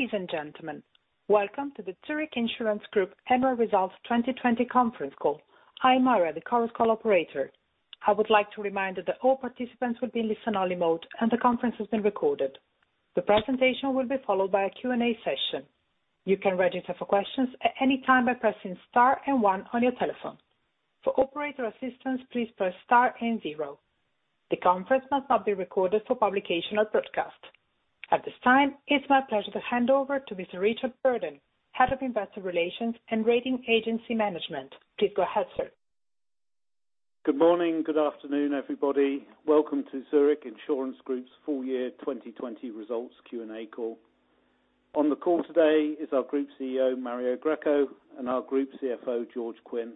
Ladies and gentlemen, welcome to the Zurich Insurance Group Annual Results 2020 conference call. I am Ara, the conference call operator. I would like to remind that all participants will be in listen-only mode, and the conference is being recorded. The presentation will be followed by a Q&A session. You can register for questions at any time by pressing star and one on your telephone. For operator assistance, please press star and zero. The conference must not be recorded for publication or broadcast. At this time, it's my pleasure to hand over to Mr. Richard Burden, Head of Investor Relations and Rating Agency Management. Please go ahead, sir. Good morning, good afternoon, everybody. Welcome to Zurich Insurance Group's full year 2020 results Q&A call. On the call today is our Group CEO, Mario Greco, and our Group CFO, George Quinn.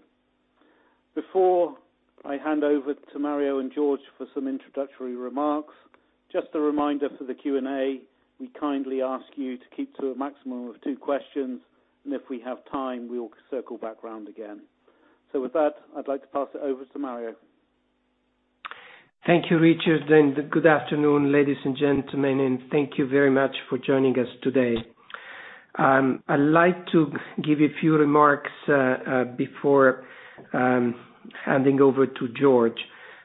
Before I hand over to Mario and George for some introductory remarks, just a reminder for the Q&A, we kindly ask you to keep to a maximum of two questions, and if we have time, we will circle back around again. With that, I'd like to pass it over to Mario. Thank you, Richard. Good afternoon, ladies and gentlemen, thank you very much for joining us today. I'd like to give a few remarks before handing over to George.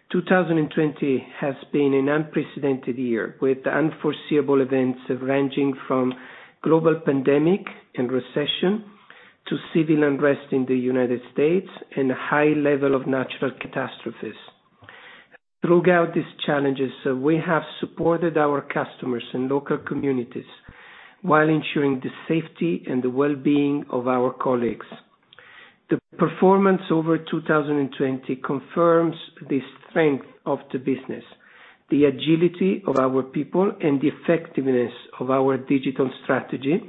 2020 has been an unprecedented year, with unforeseeable events ranging from global pandemic and recession to civil unrest in the U.S. and a high level of natural catastrophes. Throughout these challenges, we have supported our customers and local communities while ensuring the safety and the well-being of our colleagues. The performance over 2020 confirms the strength of the business, the agility of our people, and the effectiveness of our digital strategy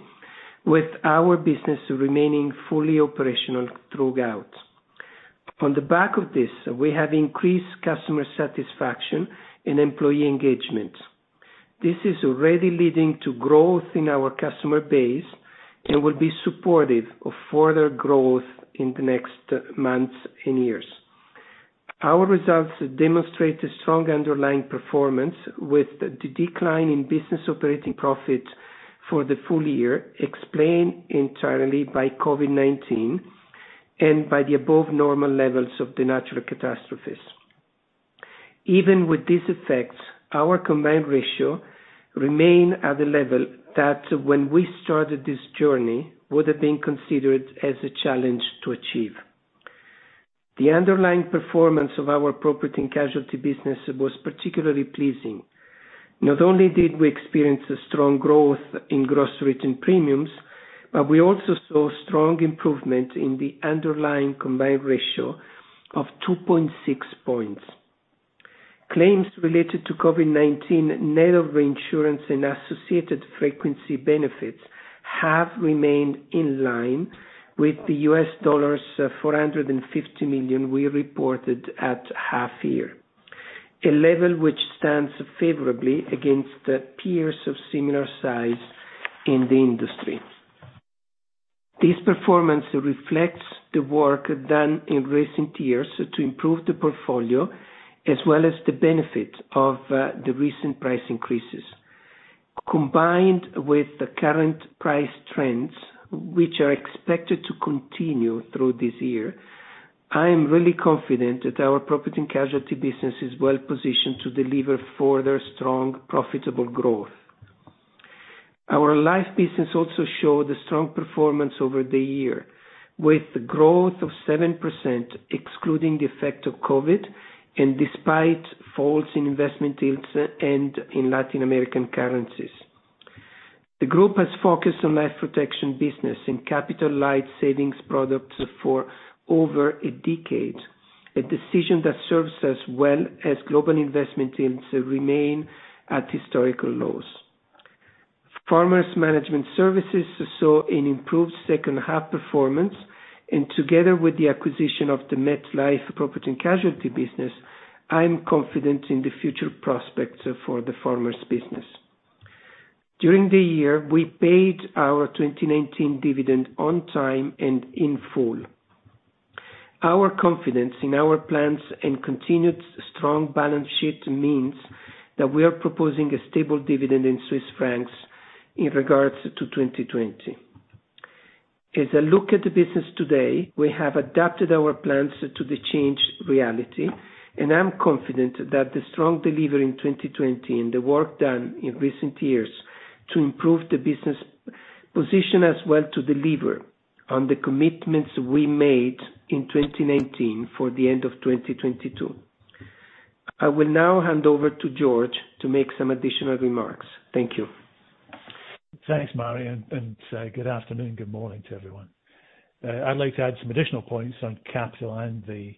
with our business remaining fully operational throughout. On the back of this, we have increased customer satisfaction and employee engagement. This is already leading to growth in our customer base and will be supportive of further growth in the next months and years. Our results demonstrate a strong underlying performance with the decline in business operating profit for the full year explained entirely by COVID-19 and by the above normal levels of the natural catastrophes. Even with these effects, our combined ratio remain at a level that when we started this journey, would have been considered as a challenge to achieve. The underlying performance of our Property and Casualty business was particularly pleasing. Not only did we experience a strong growth in gross written premiums, but we also saw strong improvement in the underlying combined ratio of 2.6 points. Claims related to COVID-19, net of reinsurance and associated frequency benefits, have remained in line with the $450 million we reported at half year. A level which stands favorably against peers of similar size in the industry. This performance reflects the work done in recent years to improve the portfolio, as well as the benefit of the recent price increases. Combined with the current price trends, which are expected to continue through this year, I am really confident that our Property and Casualty business is well-positioned to deliver further strong, profitable growth. Our life business also showed a strong performance over the year, with growth of 7%, excluding the effect of COVID-19, and despite falls in investment yields and in Latin American currencies. The group has focused on life protection business in capital light savings products for over a decade, a decision that serves us well as global investment teams remain at historical lows. Farmers Management Services saw an improved second half performance, and together with the acquisition of the MetLife Property and Casualty business, I am confident in the future prospects for the Farmers business. During the year, we paid our 2019 dividend on time and in full. Our confidence in our plans and continued strong balance sheet means that we are proposing a stable dividend in Swiss francs in regards to 2020. As I look at the business today, we have adapted our plans to the changed reality, and I'm confident that the strong delivery in 2020 and the work done in recent years to improve the business position as well to deliver on the commitments we made in 2019 for the end of 2022. I will now hand over to George to make some additional remarks. Thank you. Thanks, Mario. Good afternoon, good morning to everyone. I'd like to add some additional points on capital and the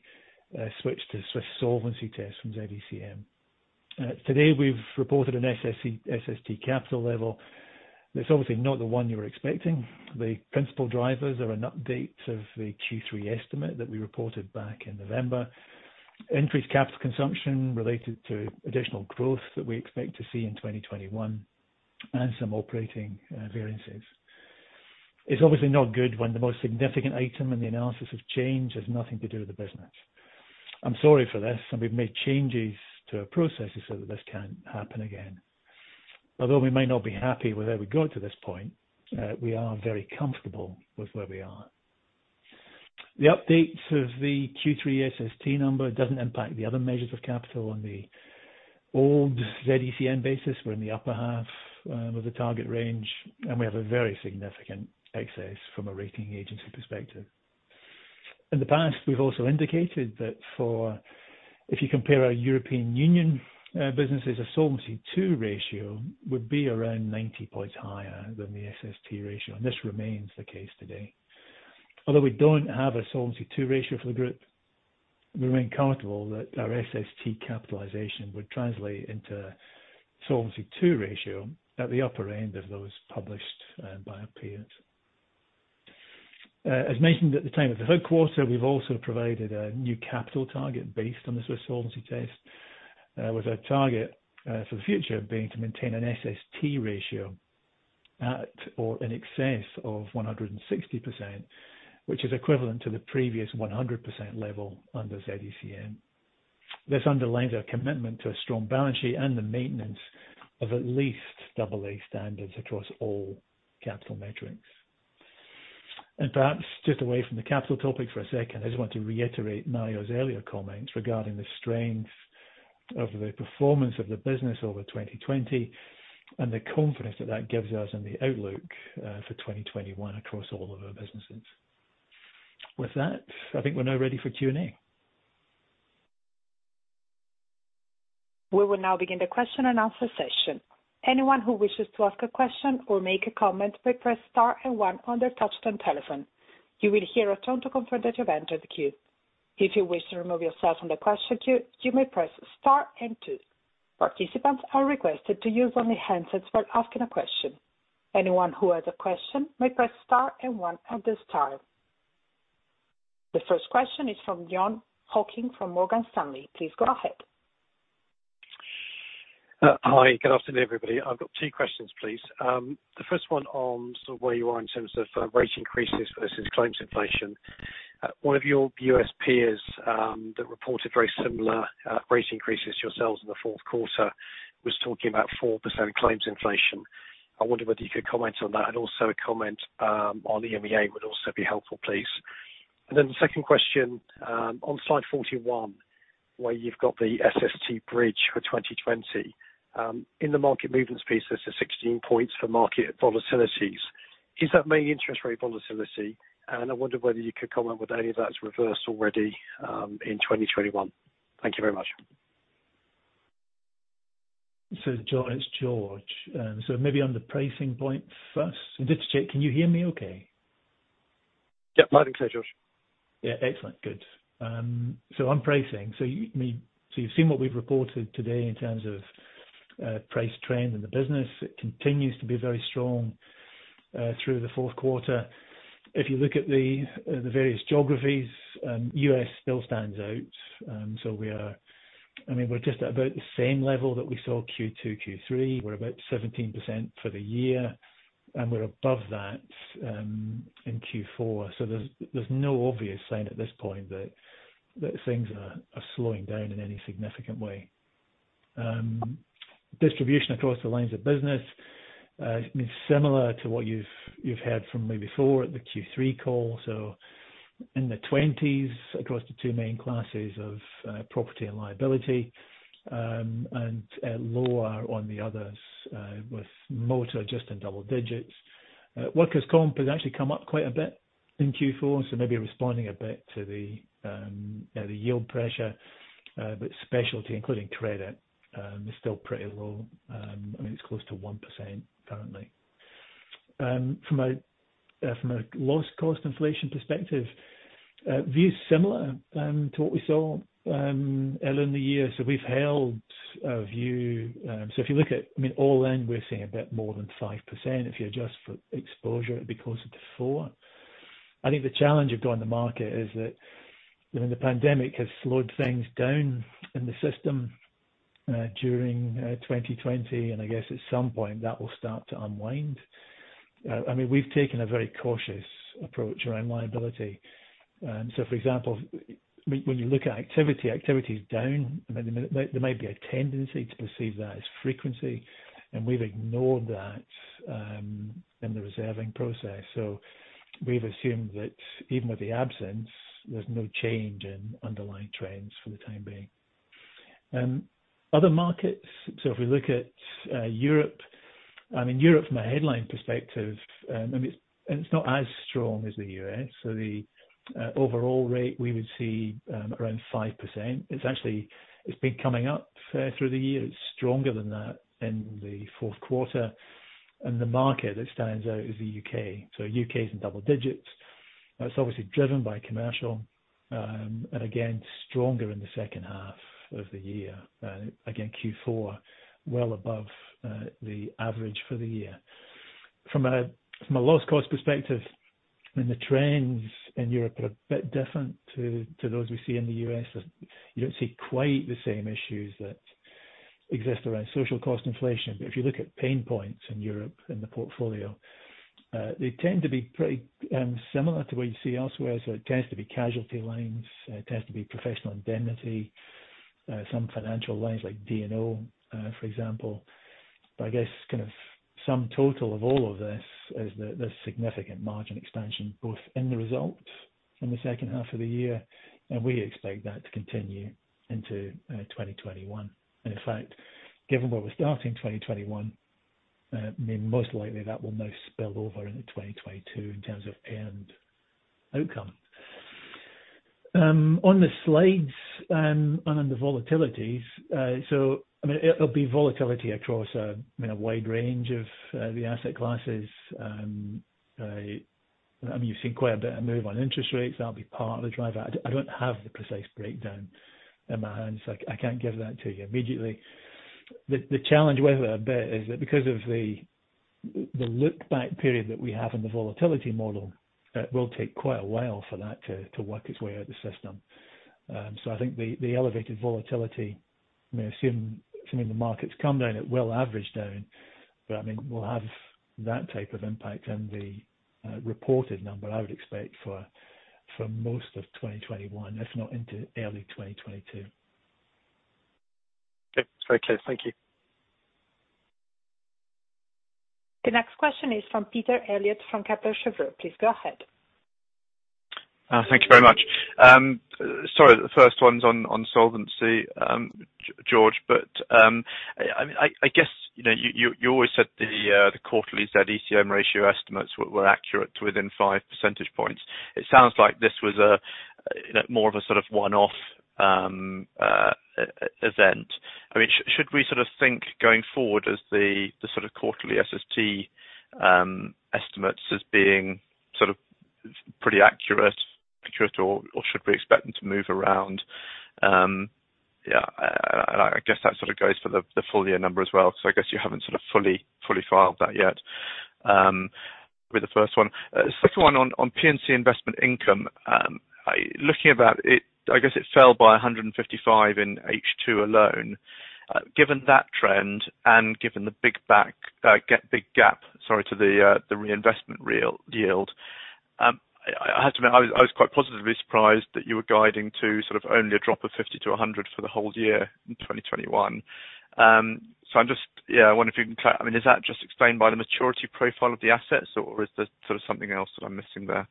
switch to Swiss Solvency Test from Z-ECM. Today, we've reported an SST capital level that's obviously not the one you were expecting. The principal drivers are an update of the Q3 estimate that we reported back in November. Increased capital consumption related to additional growth that we expect to see in 2021 and some operating variances. It's obviously not good when the most significant item in the analysis of change has nothing to do with the business. I'm sorry for this. We've made changes to our processes so that this can't happen again. Although we may not be happy with how we got to this point, we are very comfortable with where we are. The updates of the Q3 SST number doesn't impact the other measures of capital on the old Z-ECM basis. We're in the upper half of the target range, and we have a very significant excess from a rating agency perspective. In the past, we've also indicated that if you compare our European Union businesses, a Solvency II ratio would be around 90 points higher than the SST ratio, and this remains the case today. Although we don't have a Solvency II ratio for the group, we remain comfortable that our SST capitalization would translate into Solvency II ratio at the upper end of those published by our peers. As mentioned at the time of the third quarter, we've also provided a new capital target based on the Swiss Solvency Test, with our target for the future being to maintain an SST ratio at or in excess of 160%, which is equivalent to the previous 100% level under Z-ECM. This underlines our commitment to a strong balance sheet. The maintenance of at least AA standards across all capital metrics. Perhaps just away from the capital topic for a second, I just want to reiterate Mario's earlier comments regarding the strength of the performance of the business over 2020 and the confidence that that gives us in the outlook for 2021 across all of our businesses. With that, I think we're now ready for Q&A. We will now begin the question and answer session. Anyone who wishes to ask a question or make a comment may press star and one on their touchtone telephone. You will hear a tone to confirm that you've entered the queue. If you wish to remove yourself from the question queue, you may press star and two. Participants are requested to use only handsets when asking a question. Anyone who has a question may press star and one at this time. The first question is from Jon Hocking from Morgan Stanley. Please go ahead. Hi, good afternoon, everybody. I've got two questions, please. The first one on sort of where you are in terms of rate increases versus claims inflation. One of your U.S. peers that reported very similar rate increases to yourselves in the fourth quarter was talking about 4% claims inflation. I wonder whether you could comment on that and also a comment on EMEA would also be helpful, please. The second question, on slide 41, where you've got the SST bridge for 2020. In the market movements piece, there's the 16 points for market volatilities. Is that mainly interest rate volatility? I wonder whether you could comment whether any of that's reversed already in 2021. Thank you very much. Jon, it's George. Maybe on the pricing point first. Just to check, can you hear me okay? Yeah, loud and clear, George. Yeah. Excellent. Good. On pricing, you've seen what we've reported today in terms of price trend in the business. It continues to be very strong through the fourth quarter. If you look at the various geographies, U.S. still stands out. We're just at about the same level that we saw Q2, Q3. We're about 17% for the year, and we're above that in Q4. There's no obvious sign at this point that things are slowing down in any significant way. Distribution across the lines of business, similar to what you've heard from me before at the Q3 call. In the twenties across the two main classes of property and liability, and lower on the others, with motor just in double digits. Workers' comp has actually come up quite a bit in Q4, maybe responding a bit to the yield pressure. Specialty, including credit, is still pretty low. It's close to 1% currently. From a loss cost inflation perspective, view is similar to what we saw earlier in the year. We've held our view. If you look at all in, we're seeing a bit more than 5%. If you adjust for exposure, it would be closer to four. I think the challenge of going to market is that the pandemic has slowed things down in the system during 2020, and I guess at some point that will start to unwind. We've taken a very cautious approach around liability. For example, when you look at activity is down. There might be a tendency to perceive that as frequency, and we've ignored that in the reserving process. We've assumed that even with the absence, there's no change in underlying trends for the time being. Other markets, if we look at Europe. Europe from a headline perspective, it's not as strong as the U.S. The overall rate we would see around 5%. It's been coming up through the year. It's stronger than that in the fourth quarter. The market that stands out is the U.K. U.K. is in double digits. It's obviously driven by commercial. Again, stronger in the second half of the year. Again, Q4, well above the average for the year. From a loss cost perspective, the trends in Europe are a bit different to those we see in the U.S. You don't see quite the same issues that exist around social cost inflation. If you look at pain points in Europe, in the portfolio, they tend to be pretty similar to what you see elsewhere. It tends to be casualty lines, it tends to be professional indemnity, some financial lines like D&O, for example. I guess, sum total of all of this is the significant margin expansion, both in the results in the second half of the year, and we expect that to continue into 2021. In fact, given where we're starting 2021, most likely that will now spill over into 2022 in terms of P&C outcome. On the slides and on the volatilities. It'll be volatility across a wide range of the asset classes. You've seen quite a bit of move on interest rates. That'll be part of the driver. I don't have the precise breakdown in my hand, so I can't give that to you immediately. The challenge with it a bit is that because of the look-back period that we have in the volatility model, it will take quite a while for that to work its way out the system. I think the elevated volatility, assuming the markets come down, it will average down, but will have that type of impact in the reported number, I would expect for most of 2021, if not into early 2022. Okay. Very clear. Thank you. The next question is from Peter Eliot from Kepler Cheuvreux. Please go ahead. Thank you very much. Sorry, the first one's on solvency, George, I guess, you always said the quarterly Z-ECM ratio estimates were accurate to within five percentage points. It sounds like this was more of a sort of one-off event. Should we sort of think going forward as the sort of quarterly SST estimates as being sort of pretty accurate, or should we expect them to move around? Yeah, I guess that sort of goes for the full year number as well. I guess you haven't sort of fully filed that yet with the first one. Second one on P&C investment income. Looking at that, I guess it fell by 155 in H2 alone. Given that trend and given the big gap to the reinvestment yield, I have to admit, I was quite positively surprised that you were guiding to sort of only a drop of 50 to 100 for the whole year in 2021. I'm just, I wonder if you can, I mean, is that just explained by the maturity profile of the assets, or is there something else that I'm missing there?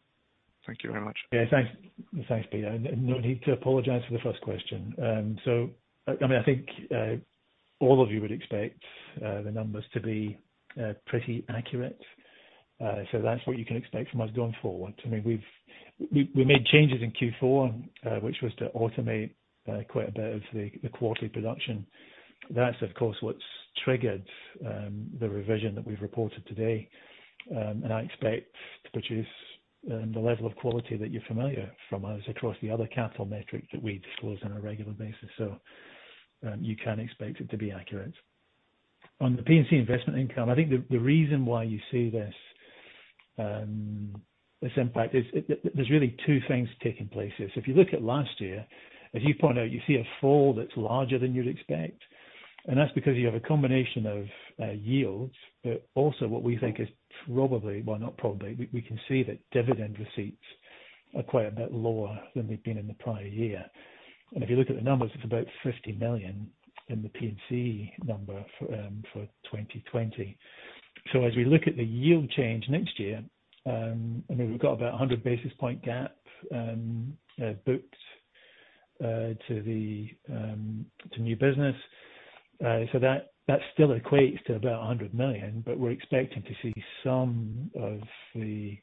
Thank you very much. Yeah, thanks, Peter. No need to apologize for the first question. I think all of you would expect the numbers to be pretty accurate. That's what you can expect from us going forward. We made changes in Q4, which was to automate quite a bit of the quarterly production. That's, of course, what's triggered the revision that we've reported today. I expect to produce the level of quality that you're familiar from us across the other capital metrics that we disclose on a regular basis. You can expect it to be accurate. On the P&C investment income, I think the reason why you see this impact is, there's really two things taking place here. If you look at last year, as you point out, you see a fall that's larger than you'd expect, and that's because you have a combination of yields, but also what we think is probably, well, not probably, we can see that dividend receipts are quite a bit lower than they've been in the prior year. If you look at the numbers, it's about 50 million in the P&C number for 2020. As we look at the yield change next year, we've got about 100 basis point gap booked to new business. That still equates to about 100 million, but we're expecting to see some of the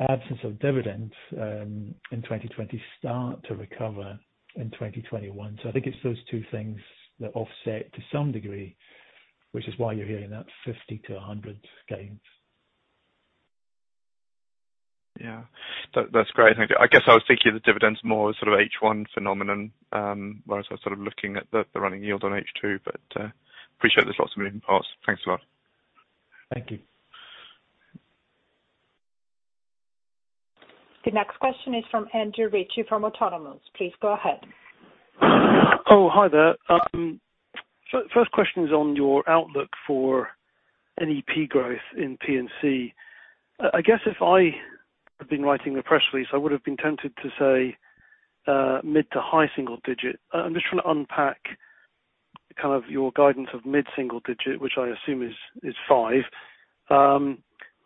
absence of dividends in 2020 start to recover in 2021. I think it's those two things that offset to some degree, which is why you're hearing that 50-100 gains. Yeah. That's great. Thank you. I guess I was thinking of the dividends more as sort of H1 phenomenon, whereas I was sort of looking at the running yield on H2, but appreciate there's lots of moving parts. Thanks a lot. Thank you. The next question is from Andrew Ritchie from Autonomous. Please go ahead. Hi there. First question is on your outlook for NEP growth in P&C. I guess if I had been writing the press release, I would have been tempted to say mid to high single digit. I'm just trying to unpack kind of your guidance of mid single digit, which I assume is five.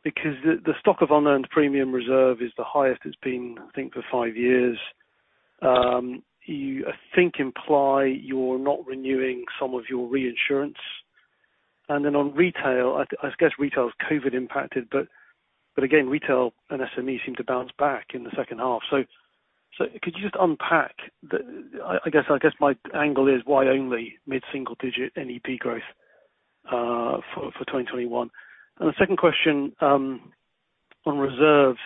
Because the stock of unearned premium reserve is the highest it's been, I think, for five years. You, I think, imply you're not renewing some of your reinsurance. Then on retail, I guess retail is COVID impacted, but again, retail and SME seem to bounce back in the second half. Could you just unpack I guess my angle is why only mid single digit NEP growth for 2021? The second question, on reserves.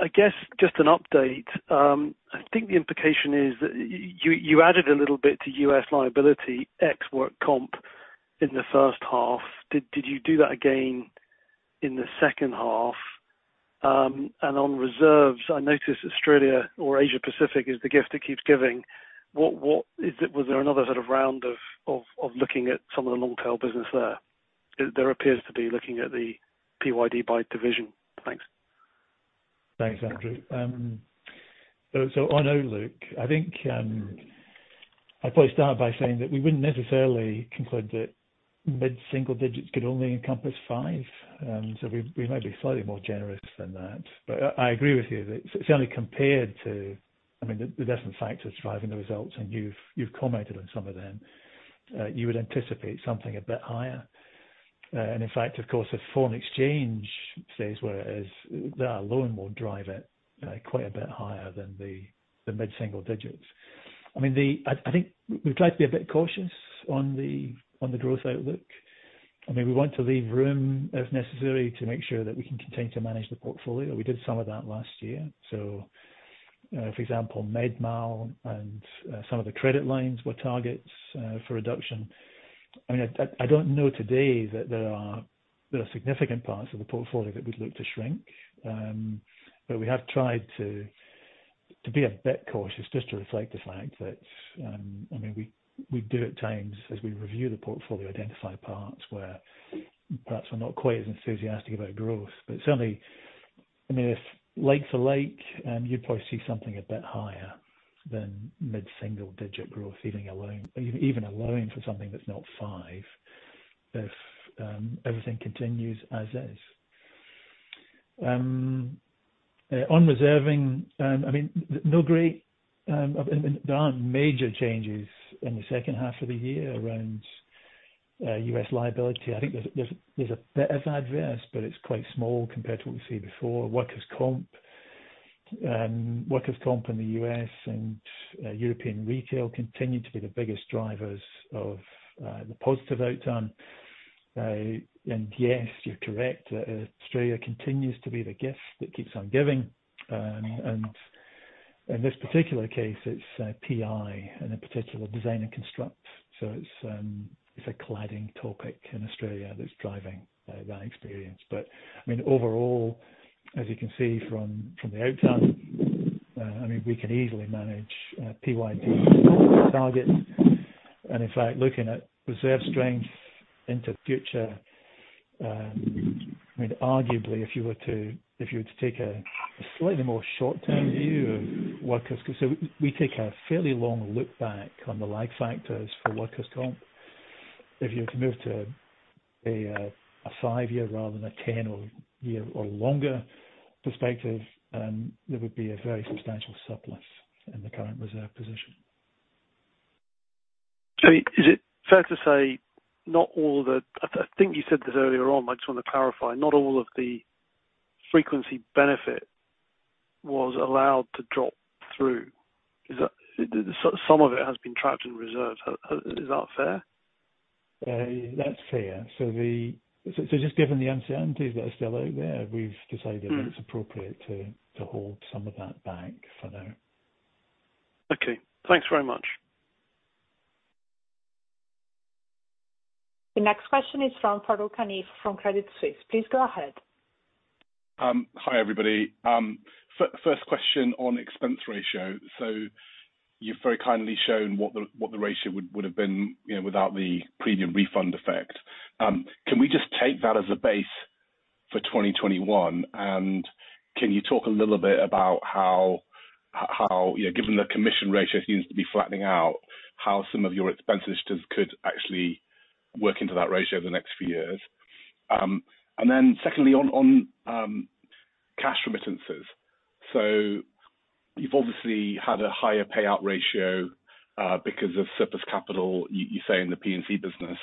I guess just an update. I think the implication is that you added a little bit to U.S. liability ex work comp in the first half. Did you do that again in the second half? On reserves, I noticed Australia or Asia Pacific is the gift that keeps giving. Was there another sort of round of looking at some of the long tail business there? There appears to be, looking at the PYD by division. Thanks. Thanks, Andrew. On outlook, I think I'd probably start by saying that we wouldn't necessarily conclude that mid-single digits could only encompass five. I agree with you that it's only compared to I mean, the definite factors driving the results, and you've commented on some of them. You would anticipate something a bit higher. In fact, of course, if foreign exchange stays where it is, that alone will drive it quite a bit higher than the mid-single digits. I think we've tried to be a bit cautious on the growth outlook. We want to leave room, if necessary, to make sure that we can continue to manage the portfolio. We did some of that last year. For example, MedMal and some of the credit lines were targets for reduction. I don't know today that there are significant parts of the portfolio that we'd look to shrink, but we have tried to be a bit cautious just to reflect the fact that, we do at times, as we review the portfolio, identify parts where perhaps we're not quite as enthusiastic about growth. Certainly, if like for like, you'd probably see something a bit higher than mid-single digit growth, even allowing for something that's not five, if everything continues as is. On reserving, there aren't major changes in the second half of the year around U.S. liability. I think there's a bit of adverse, but it's quite small compared to what we've seen before. workers' comp in the U.S. and European retail continue to be the biggest drivers of the positive outcome. Yes, you're correct. Australia continues to be the gift that keeps on giving. In this particular case, it's PI, and in particular, design and construct. It's a cladding topic in Australia that's driving that experience. Overall, as you can see from the outcome, we can easily manage PYD targets. In fact, looking at reserve strength into the future, arguably, if you were to take a slightly more short-term view of workers'. We take a fairly long look back on the lag factors for workers' compensation. If you were to move to a five-year rather than a 10-year or longer perspective, there would be a very substantial surplus in the current reserve position. Is it fair to say not all of the I think you said this earlier on, but I just want to clarify. Not all of the frequency benefit was allowed to drop through. Some of it has been trapped in reserve. Is that fair? That's fair. Just given the uncertainties that are still out there, we've decided that it's appropriate to hold some of that back for now. Okay. Thanks very much. The next question is from Farooq Hanif from Credit Suisse. Please go ahead. Hi, everybody. First question on expense ratio. You've very kindly shown what the ratio would have been without the premium refund effect. Can we just take that as a base for 2021? Can you talk a little bit about how, given the commission ratio seems to be flattening out, how some of your expense ratios could actually work into that ratio over the next few years? Secondly, on cash remittances. You've obviously had a higher payout ratio because of surplus capital, you say, in the P&C business.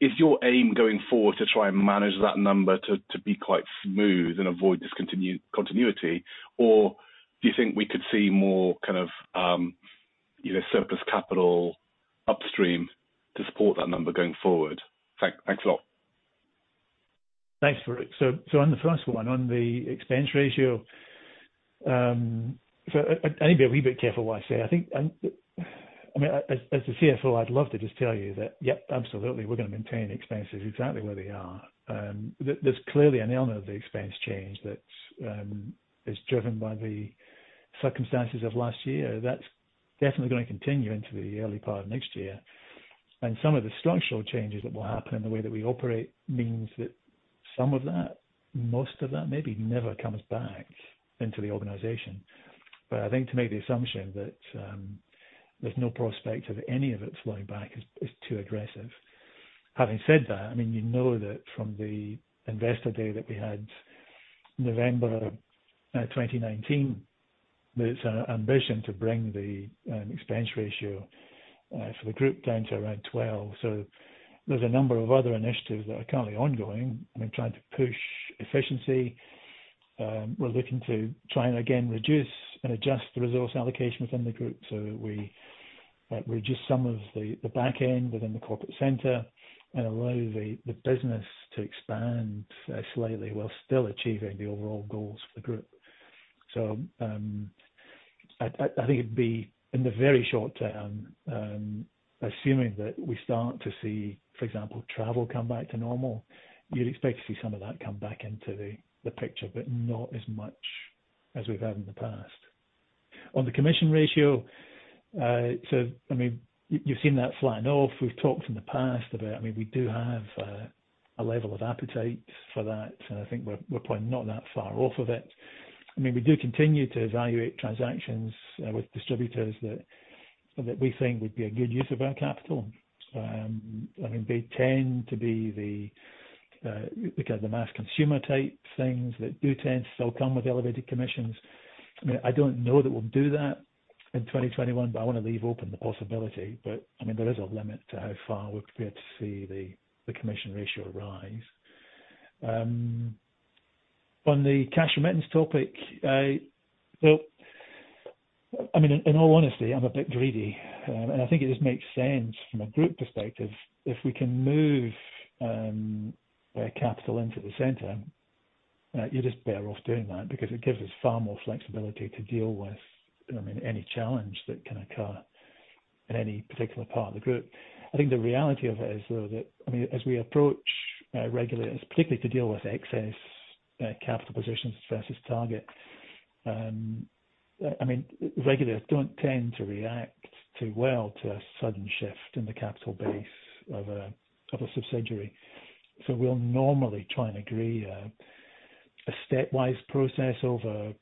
Is your aim going forward to try and manage that number to be quite smooth and avoid discontinuity? Do you think we could see more surplus capital upstream to support that number going forward? Thanks a lot. Thanks, Farooq. On the first one, on the expense ratio. I need to be a wee bit careful what I say. As the CFO, I'd love to just tell you that, yep, absolutely, we're gonna maintain expenses exactly where they are. There's clearly an element of the expense change that is driven by the circumstances of last year. That's definitely gonna continue into the early part of next year. Some of the structural changes that will happen in the way that we operate means that some of that, most of that maybe, never comes back into the organization. I think to make the assumption that there's no prospect of any of it flowing back is too aggressive. Having said that, you know that from the Investor Day that we had November 2019, there's an ambition to bring the expense ratio for the group down to around 12. There's a number of other initiatives that are currently ongoing. We're trying to push efficiency. We're looking to try and again reduce and adjust the resource allocation within the group so that we reduce some of the back end within the corporate center and allow the business to expand slightly while still achieving the overall goals for the group. I think it'd be in the very short term, assuming that we start to see, for example, travel come back to normal, you'd expect to see some of that come back into the picture, but not as much as we've had in the past. On the commission ratio, you've seen that flatten off. We've talked in the past about, we do have a level of appetite for that. I think we're probably not that far off of it. We do continue to evaluate transactions with distributors that we think would be a good use of our capital. They tend to be the mass consumer type things that do tend to still come with elevated commissions. I don't know that we'll do that in 2021. I want to leave open the possibility. There is a limit to how far we're prepared to see the commission ratio rise. On the cash remittance topic, in all honesty, I'm a bit greedy. I think it just makes sense from a group perspective, if we can move capital into the center, you're just better off doing that because it gives us far more flexibility to deal with any challenge that can occur in any particular part of the group. I think the reality of it is, though, that as we approach regulators, particularly to deal with excess capital positions versus target, regulators don't tend to react too well to a sudden shift in the capital base of a subsidiary. We'll normally try and agree a stepwise process over,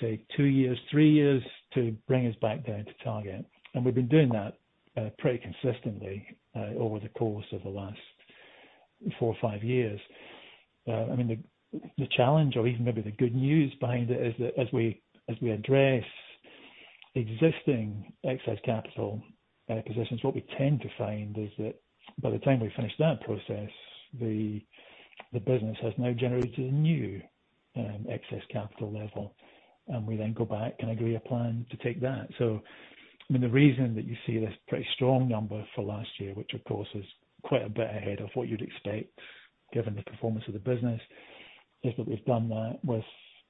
say, two years, three years to bring us back down to target. We've been doing that pretty consistently over the course of the last four or five years. The challenge or even maybe the good news behind it is that as we address existing excess capital positions, what we tend to find is that by the time we finish that process, the business has now generated a new excess capital level, and we then go back and agree a plan to take that. The reason that you see this pretty strong number for last year, which of course is quite a bit ahead of what you'd expect given the performance of the business, is that we've done that with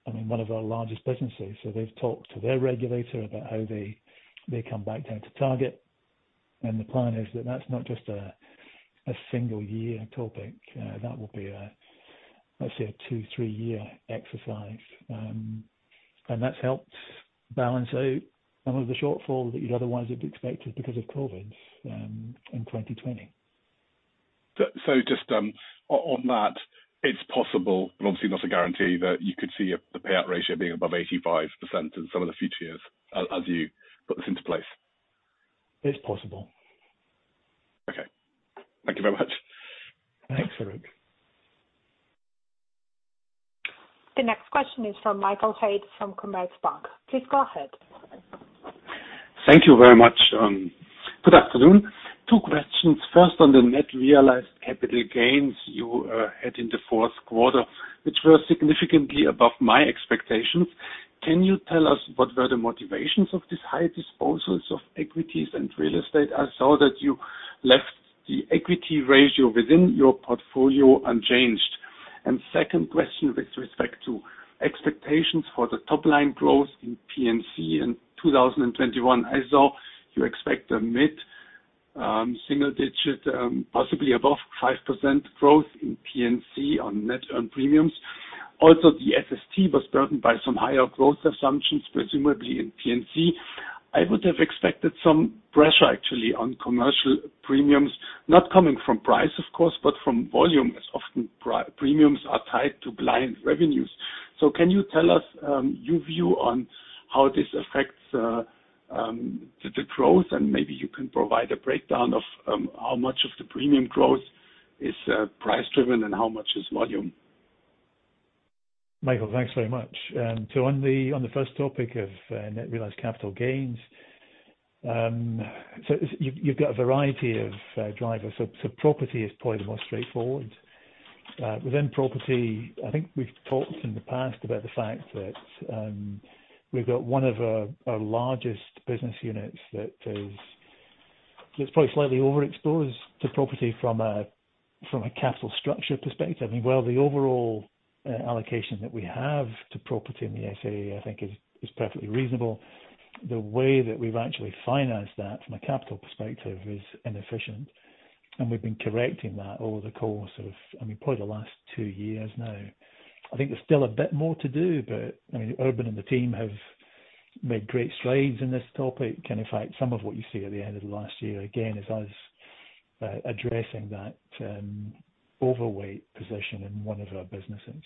one of our largest businesses. They've talked to their regulator about how they come back down to target. The plan is that that's not just a single year topic. That will be a, let's say, two, three-year exercise. That's helped balance out some of the shortfall that you'd otherwise have expected because of COVID in 2020. Just on that, it's possible, but obviously not a guarantee, that you could see the payout ratio being above 85% in some of the future years as you put this into place. It's possible. Okay. Thank you very much. Thanks, Farooq. The next question is from Michael Haid from Commerzbank. Please go ahead. Thank you very much. Good afternoon. Two questions. First, on the net realized capital gains you had in the fourth quarter, which were significantly above my expectations. Can you tell us what were the motivations of these high disposals of equities and real estate? I saw that you left the equity ratio within your portfolio unchanged. Second question with respect to expectations for the top-line growth in P&C in 2021. I saw you expect a mid-single digit, possibly above 5% growth in P&C on net earned premiums. Also, the SST was burdened by some higher growth assumptions, presumably in P&C. I would have expected some pressure, actually, on commercial premiums, not coming from price, of course, but from volume, as often premiums are tied to client revenues. Can you tell us your view on how this affects the growth, and maybe you can provide a breakdown of how much of the premium growth is price-driven and how much is volume? Michael, thanks very much. On the first topic of net realized capital gains. You've got a variety of drivers. Property is probably the most straightforward. Within property, I think we've talked in the past about the fact that we've got one of our largest business units that is probably slightly overexposed to property from a capital structure perspective. While the overall allocation that we have to property in the SAA, I think, is perfectly reasonable. The way that we've actually financed that from a capital perspective is inefficient, and we've been correcting that over the course of probably the last two years now. I think there's still a bit more to do. Urban and the team have made great strides in this topic. In fact, some of what you see at the end of last year, again, is us addressing that overweight position in one of our businesses.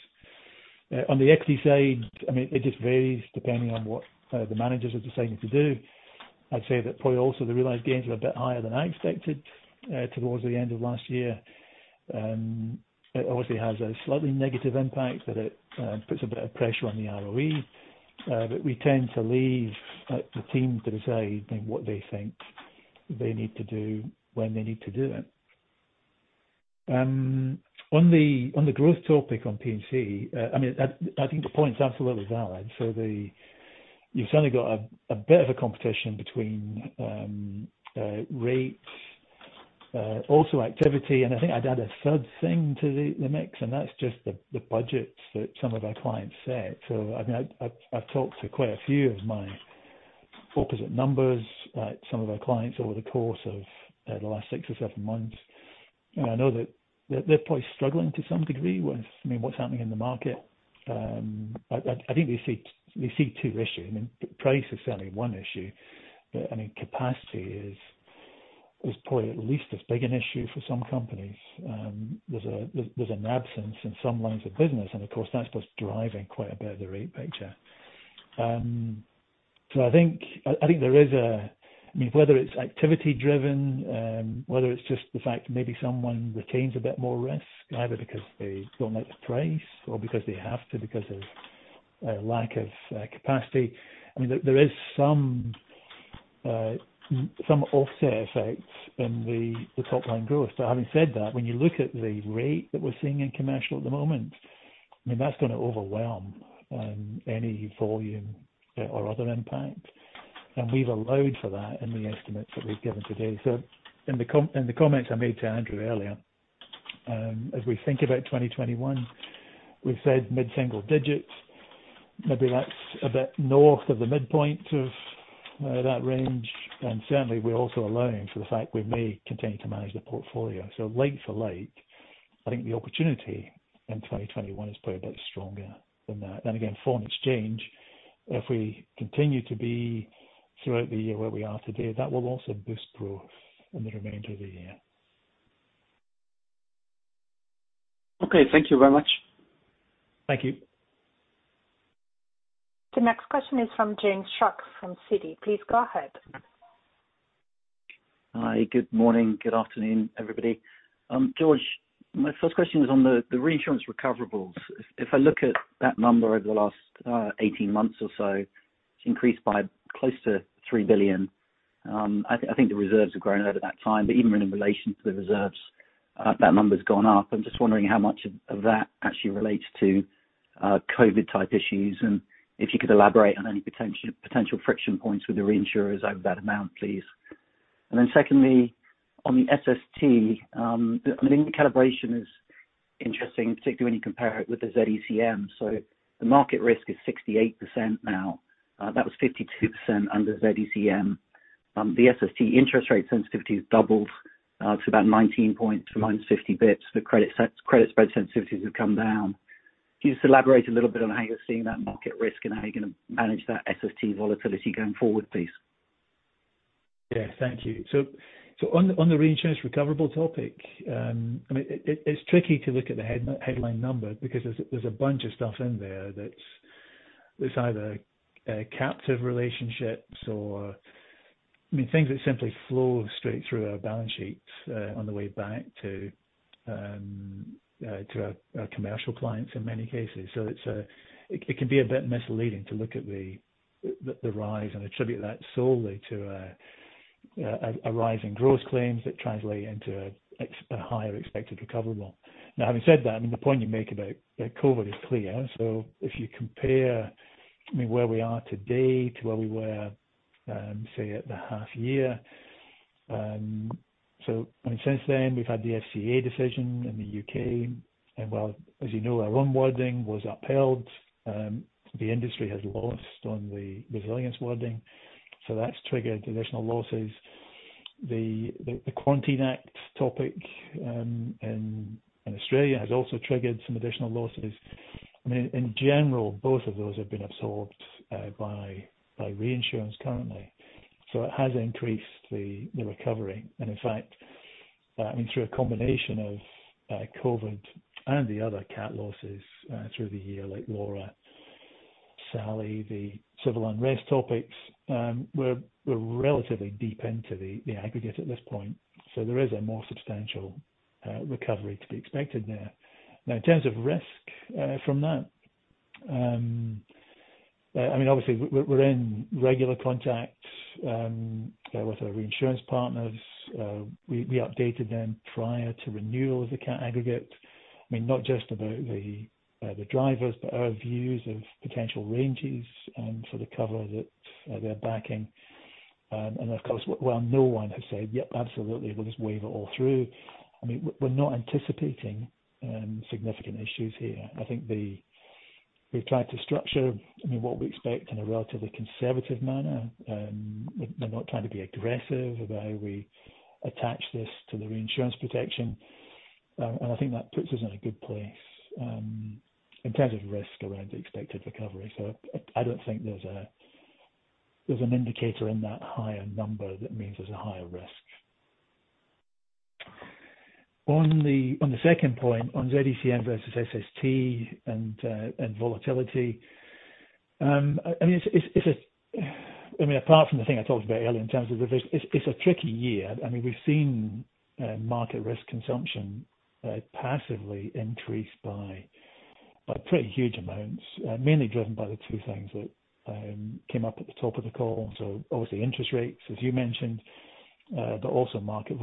On the equity side, it just varies depending on what the managers are deciding to do. I'd say that probably also the realized gains were a bit higher than I expected towards the end of last year. It obviously has a slightly negative impact, but it puts a bit of pressure on the ROE. We tend to leave the team to decide what they think they need to do when they need to do it. On the growth topic on P&C, I think the point is absolutely valid. You've certainly got a bit of a competition between rates also activity, and I think I'd add a third thing to the mix, and that's just the budgets that some of our clients set. I've talked to quite a few of my opposite numbers, some of our clients over the course of the last six or seven months. I know that they're probably struggling to some degree with what's happening in the market. I think they see two issues. Price is certainly one issue, but capacity is probably at least as big an issue for some companies. There's an absence in some lines of business, and of course, that's what's driving quite a bit of the rate picture. I think there is a Whether it's activity driven, whether it's just the fact that maybe someone retains a bit more risk, either because they don't like the price or because they have to because of lack of capacity. There is some offset effects in the top line growth. Having said that, when you look at the rate that we're seeing in commercial at the moment, that's going to overwhelm any volume or other impact. We've allowed for that in the estimates that we've given today. In the comments I made to Andrew earlier, as we think about 2021, we've said mid-single digits. Maybe that's a bit north of the midpoint of that range. Certainly, we're also allowing for the fact we may continue to manage the portfolio. Like for like, I think the opportunity in 2021 is probably a bit stronger than that. Again, foreign exchange, if we continue to be throughout the year where we are today, that will also boost growth in the remainder of the year. Okay. Thank you very much. Thank you. The next question is from James Shuck from Citi. Please go ahead. Hi, good morning, good afternoon, everybody. George, my first question was on the reinsurance recoverables. If I look at that number over the last 18 months or so, it has increased by close to 3 billion. I think the reserves have grown over that time, but even in relation to the reserves, that number has gone up. I am just wondering how much of that actually relates to COVID type issues, and if you could elaborate on any potential friction points with the reinsurers over that amount, please. Secondly, on the SST. I mean, the calibration is interesting, particularly when you compare it with the Z-ECM. The market risk is 68% now. That was 52% under Z-ECM. The SST interest rate sensitivity has doubled to about 19 points to minus 50 basis points. The credit spread sensitivities have come down. Can you just elaborate a little bit on how you're seeing that market risk and how you're going to manage that SST volatility going forward, please? Yeah. Thank you. On the reinsurance recoverable topic, it's tricky to look at the headline number because there's a bunch of stuff in there that's either captive relationships or things that simply flow straight through our balance sheets on the way back to our commercial clients in many cases. It can be a bit misleading to look at the rise and attribute that solely to a rise in gross claims that translate into a higher expected recoverable. Having said that, the point you make about COVID is clear. If you compare where we are today to where we were, say, at the half year. Since then, we've had the FCA decision in the U.K. While, as you know, our own wording was upheld, the industry has lost on the resilience wording. That's triggered additional losses. The Quarantine Act topic in Australia has also triggered some additional losses. In general, both of those have been absorbed by reinsurance currently. It has increased the recovery. In fact, through a combination of COVID and the other cat losses through the year, like Laura, Sally, the civil unrest topics, we're relatively deep into the aggregate at this point. There is a more substantial recovery to be expected there. Now, in terms of risk from that, obviously we're in regular contact with our reinsurance partners. We updated them prior to renewal of the cat aggregate. Not just about the drivers, but our views of potential ranges for the cover that they're backing. Of course, while no one has said, "Yep, absolutely, we'll just wave it all through," we're not anticipating significant issues here. I think we've tried to structure what we expect in a relatively conservative manner. We're not trying to be aggressive about how we attach this to the reinsurance protection. I think that puts us in a good place in terms of risk around the expected recovery. I don't think there's an indicator in that higher number that means there's a higher risk. On the second point, on Z-ECM versus SST and volatility. Apart from the thing I talked about earlier in terms of the risk, it's a tricky year. We've seen market risk consumption passively increase by pretty huge amounts, mainly driven by the two things that came up at the top of the call. Obviously interest rates, as you mentioned, but also market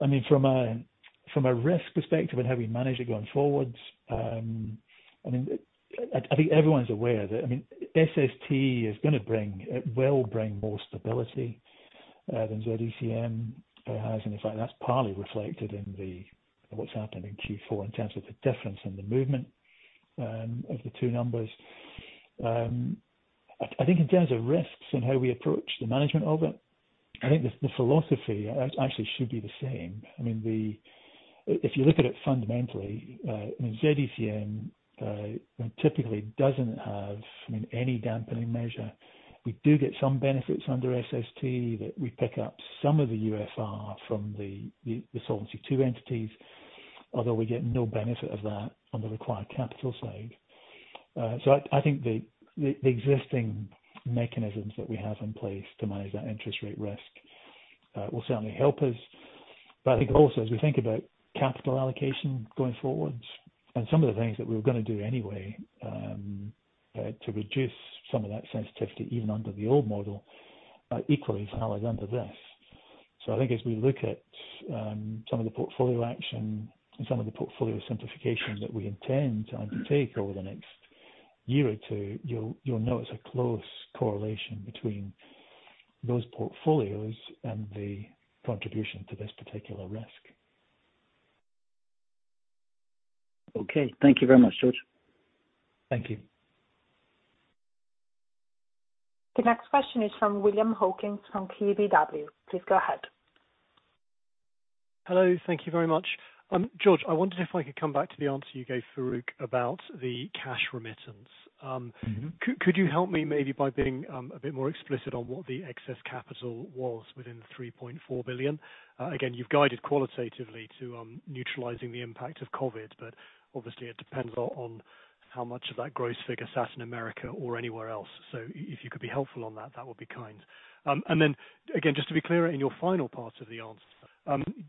volatility. From a risk perspective and how we manage it going forwards, I think everyone's aware that SST is going to bring, it will bring more stability than Z-ECM has. In fact, that's partly reflected in what's happening in Q4 in terms of the difference in the movement of the two numbers. I think in terms of risks and how we approach the management of it, I think the philosophy actually should be the same. If you look at it fundamentally, Z-ECM typically doesn't have any dampening measure. We do get some benefits under SST that we pick up some of the UFR from the Solvency II entities, although we get no benefit of that on the required capital side. I think the existing mechanisms that we have in place to manage that interest rate risk will certainly help us. I think also, as we think about capital allocation going forwards and some of the things that we were going to do anyway to reduce some of that sensitivity, even under the old model, are equally valid under this. I think as we look at some of the portfolio action and some of the portfolio simplification that we intend to undertake over the next year or two, you'll notice a close correlation between those portfolios and the contribution to this particular risk. Okay. Thank you very much, George. Thank you. The next question is from William Hawkins from KBW. Please go ahead. Hello. Thank you very much. George, I wondered if I could come back to the answer you gave Farooq about the cash remittance. Could you help me maybe by being a bit more explicit on what the excess capital was within the 3.4 billion? Again, you've guided qualitatively to neutralizing the impact of COVID, but obviously it depends on how much of that gross figure sat in America or anywhere else. If you could be helpful on that would be kind. Then, again, just to be clear, in your final part of the answer,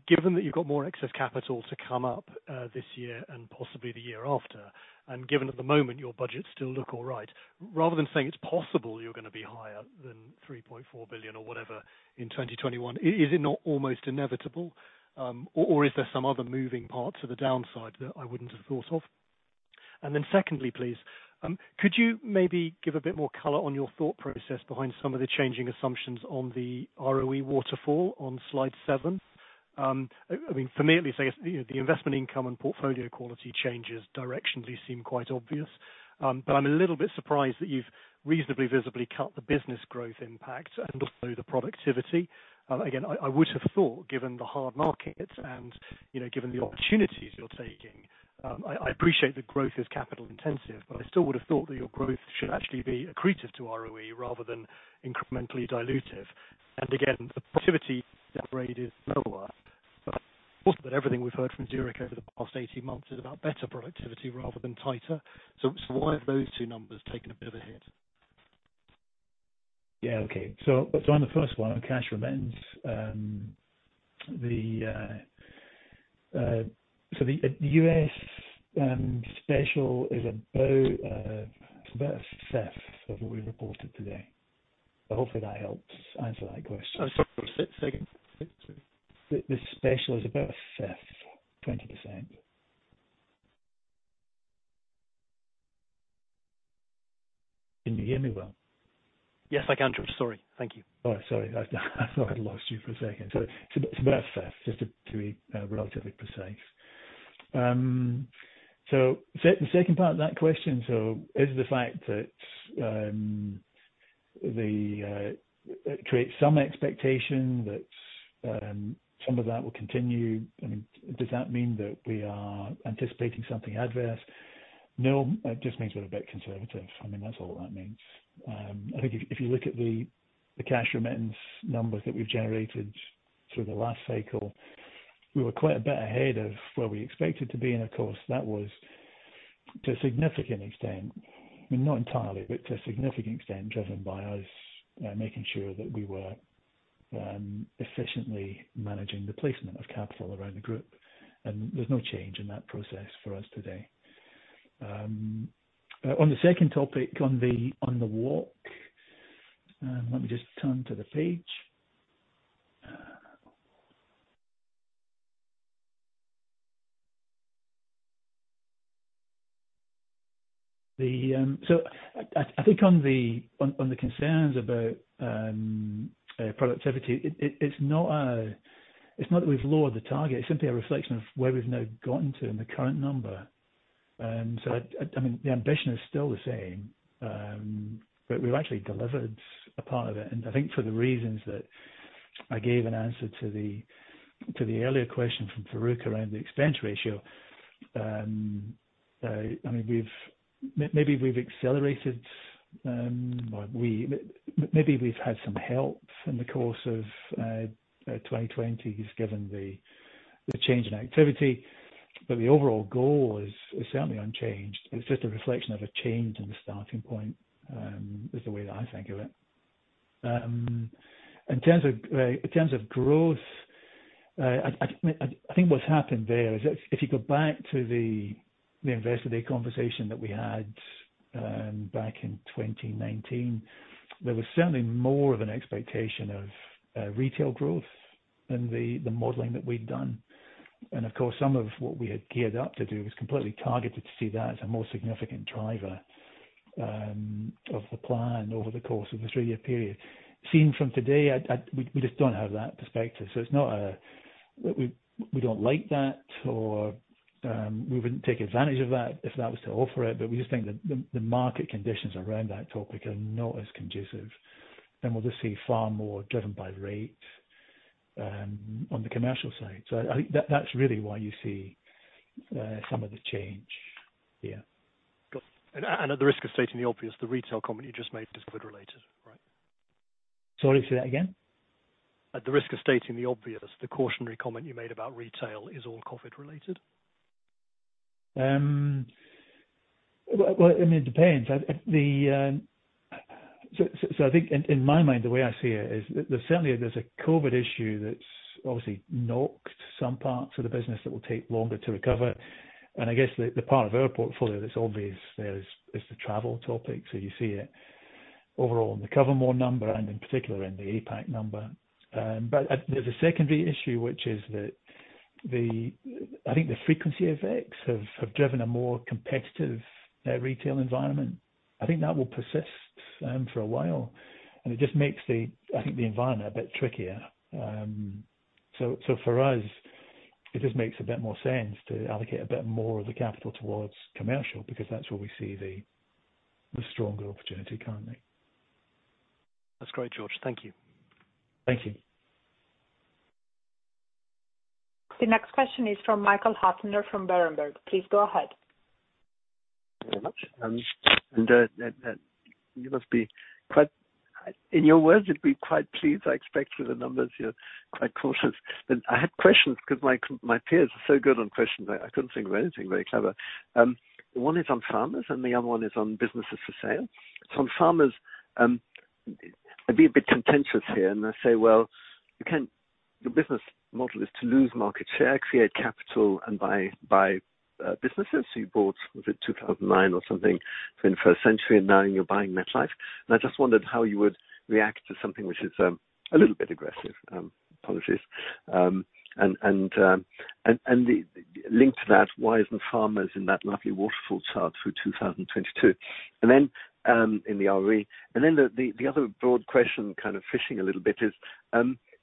given that you've got more excess capital to come up this year and possibly the year after, and given at the moment your budgets still look all right, rather than saying it's possible you're going to be higher than 3.4 billion or whatever in 2021, is it not almost inevitable? Is there some other moving part to the downside that I wouldn't have thought of? Secondly, please, could you maybe give a bit more color on your thought process behind some of the changing assumptions on the ROE waterfall on slide seven? For me, at least, I guess the investment income and portfolio quality changes directionally seem quite obvious. I'm a little surprised that you've reasonably visibly cut the business growth impact and also the productivity. I would have thought, given the hard markets and given the opportunities you're taking, I appreciate that growth is capital intensive, but I still would have thought that your growth should actually be accretive to ROE rather than incrementally dilutive. The productivity rate is lower. That everything we've heard from Zurich over the past 18 months is about better productivity rather than tighter. Why have those two numbers taken a bit of a hit? Yeah. Okay. On the first one, on cash remittance, the U.S. Special is about a fifth of what we reported today. Hopefully that helps answer that question. Sorry, say again. The special is about a fifth, 20%. Can you hear me well? Yes, I can, George. Sorry. Thank you. All right. Sorry. I thought I'd lost you for a second. It's about a fifth, just to be relatively precise. The second part of that question, is the fact that it creates some expectation that some of that will continue, does that mean that we are anticipating something adverse? No, it just means we're a bit conservative. That's all that means. I think if you look at the cash remittance numbers that we've generated through the last cycle, we were quite a bit ahead of where we expected to be, and of course, that was to a significant extent, not entirely, but to a significant extent, driven by us making sure that we were efficiently managing the placement of capital around the group. There's no change in that process for us today. On the second topic, on the walk, let me just turn to the page. I think on the concerns about productivity, it's not that we've lowered the target, it's simply a reflection of where we've now gotten to in the current number. The ambition is still the same, but we've actually delivered a part of it. I think for the reasons that I gave in answer to the earlier question from Farooq around the expense ratio, maybe we've accelerated, maybe we've had some help in the course of 2020, given the change in activity. The overall goal is certainly unchanged. It's just a reflection of a change in the starting point, is the way that I think of it. In terms of growth, I think what's happened there is if you go back to the Investor Day conversation that we had. Back in 2019, there was certainly more of an expectation of retail growth than the modeling that we'd done. Of course, some of what we had geared up to do was completely targeted to see that as a more significant driver of the plan over the course of the three-year period. Seen from today, we just don't have that perspective. It's not that we don't like that or we wouldn't take advantage of that if that was to offer it, but we just think that the market conditions around that topic are not as conducive, and we'll just see far more driven by rate on the commercial side. I think that's really why you see some of the change here. Got it. At the risk of stating the obvious, the retail comment you just made is COVID related, right? Sorry, say that again? At the risk of stating the obvious, the cautionary comment you made about retail is all COVID related? Well, it depends. I think in my mind, the way I see it is certainly there's a COVID issue that's obviously knocked some parts of the business that will take longer to recover. I guess the part of our portfolio that's obvious there is the travel topic. You see it overall in the Cover-More number and in particular in the APAC number. There's a secondary issue, which is that I think the frequency effects have driven a more competitive retail environment. I think that will persist for a while, and it just makes, I think, the environment a bit trickier. For us, it just makes a bit more sense to allocate a bit more of the capital towards commercial, because that's where we see the stronger opportunity currently. That's great, George. Thank you. Thank you. The next question is from Michael Huttner from Berenberg. Please go ahead. Thank you very much. You must be quite pleased, I expect, with the numbers. You're quite cautious. I had questions because my peers are so good on questions that I couldn't think of anything very clever. One is on Farmers and the other one is on businesses for sale. On Farmers, I'd be a bit contentious here and I say, well, your business model is to lose market share, create capital, and buy businesses. You bought, was it 2009 or something, 21st Century, and now you're buying MetLife. I just wondered how you would react to something which is a little bit aggressive. Apologies. Linked to that, why isn't Farmers in that lovely waterfall chart through 2022 in the ROE? Then the other broad question, kind of fishing a little bit, is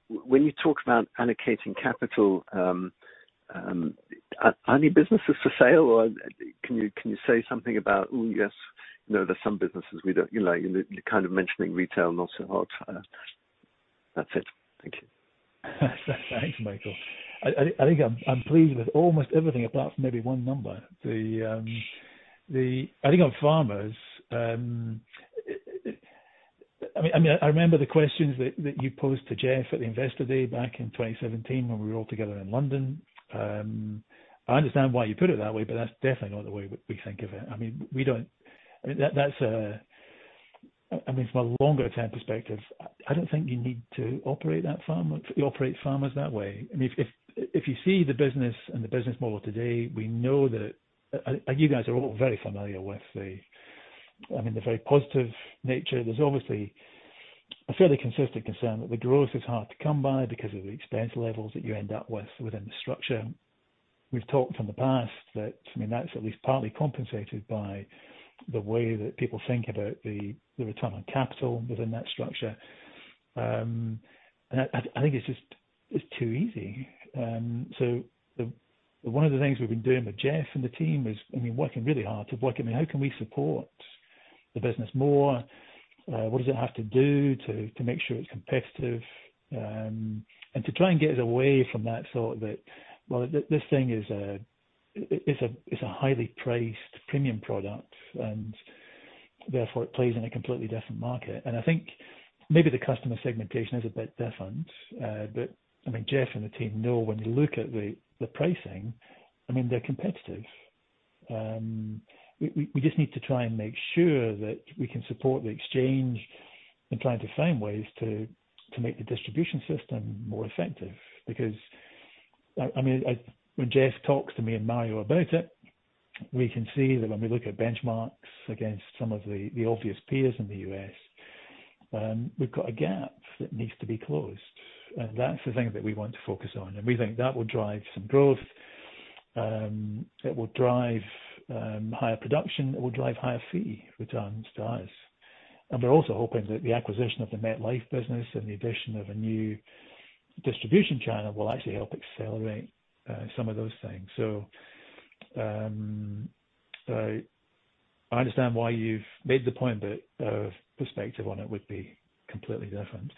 when you talk about allocating capital, are any businesses for sale, or can you say something about, "Oh, yes, there's some businesses we don't like," you're kind of mentioning retail not so hot? That's it. Thank you. Thanks, Michael. I think I'm pleased with almost everything apart from maybe one number. I think on Farmers, I remember the questions that you posed to Jeff at the Investor Day back in 2017 when we were all together in London. I understand why you put it that way, but that's definitely not the way we think of it. From a longer-term perspective, I don't think you need to operate Farmers that way. If you see the business and the business model today, we know that you guys are all very familiar with the very positive nature. There's obviously a fairly consistent concern that the growth is hard to come by because of the expense levels that you end up with within the structure. We've talked in the past that's at least partly compensated by the way that people think about the return on capital within that structure. I think it's too easy. One of the things we've been doing with Jeff and the team is working really hard to work, how can we support the business more? What does it have to do to make sure it's competitive? To try and get away from that thought that, well, this thing is a highly priced premium product, and therefore it plays in a completely different market. I think maybe the customer segmentation is a bit different. Jeff and the team know when you look at the pricing, they're competitive. We just need to try and make sure that we can support the Exchanges and trying to find ways to make the distribution system more effective. When Jeff talks to me and Mario about it, we can see that when we look at benchmarks against some of the obvious peers in the U.S., we've got a gap that needs to be closed. That's the thing that we want to focus on. We think that will drive some growth. It will drive higher production. It will drive higher fee returns to us. We're also hoping that the acquisition of the MetLife business and the addition of a new distribution channel will actually help accelerate some of those things. I understand why you've made the point, but our perspective on it would be completely different.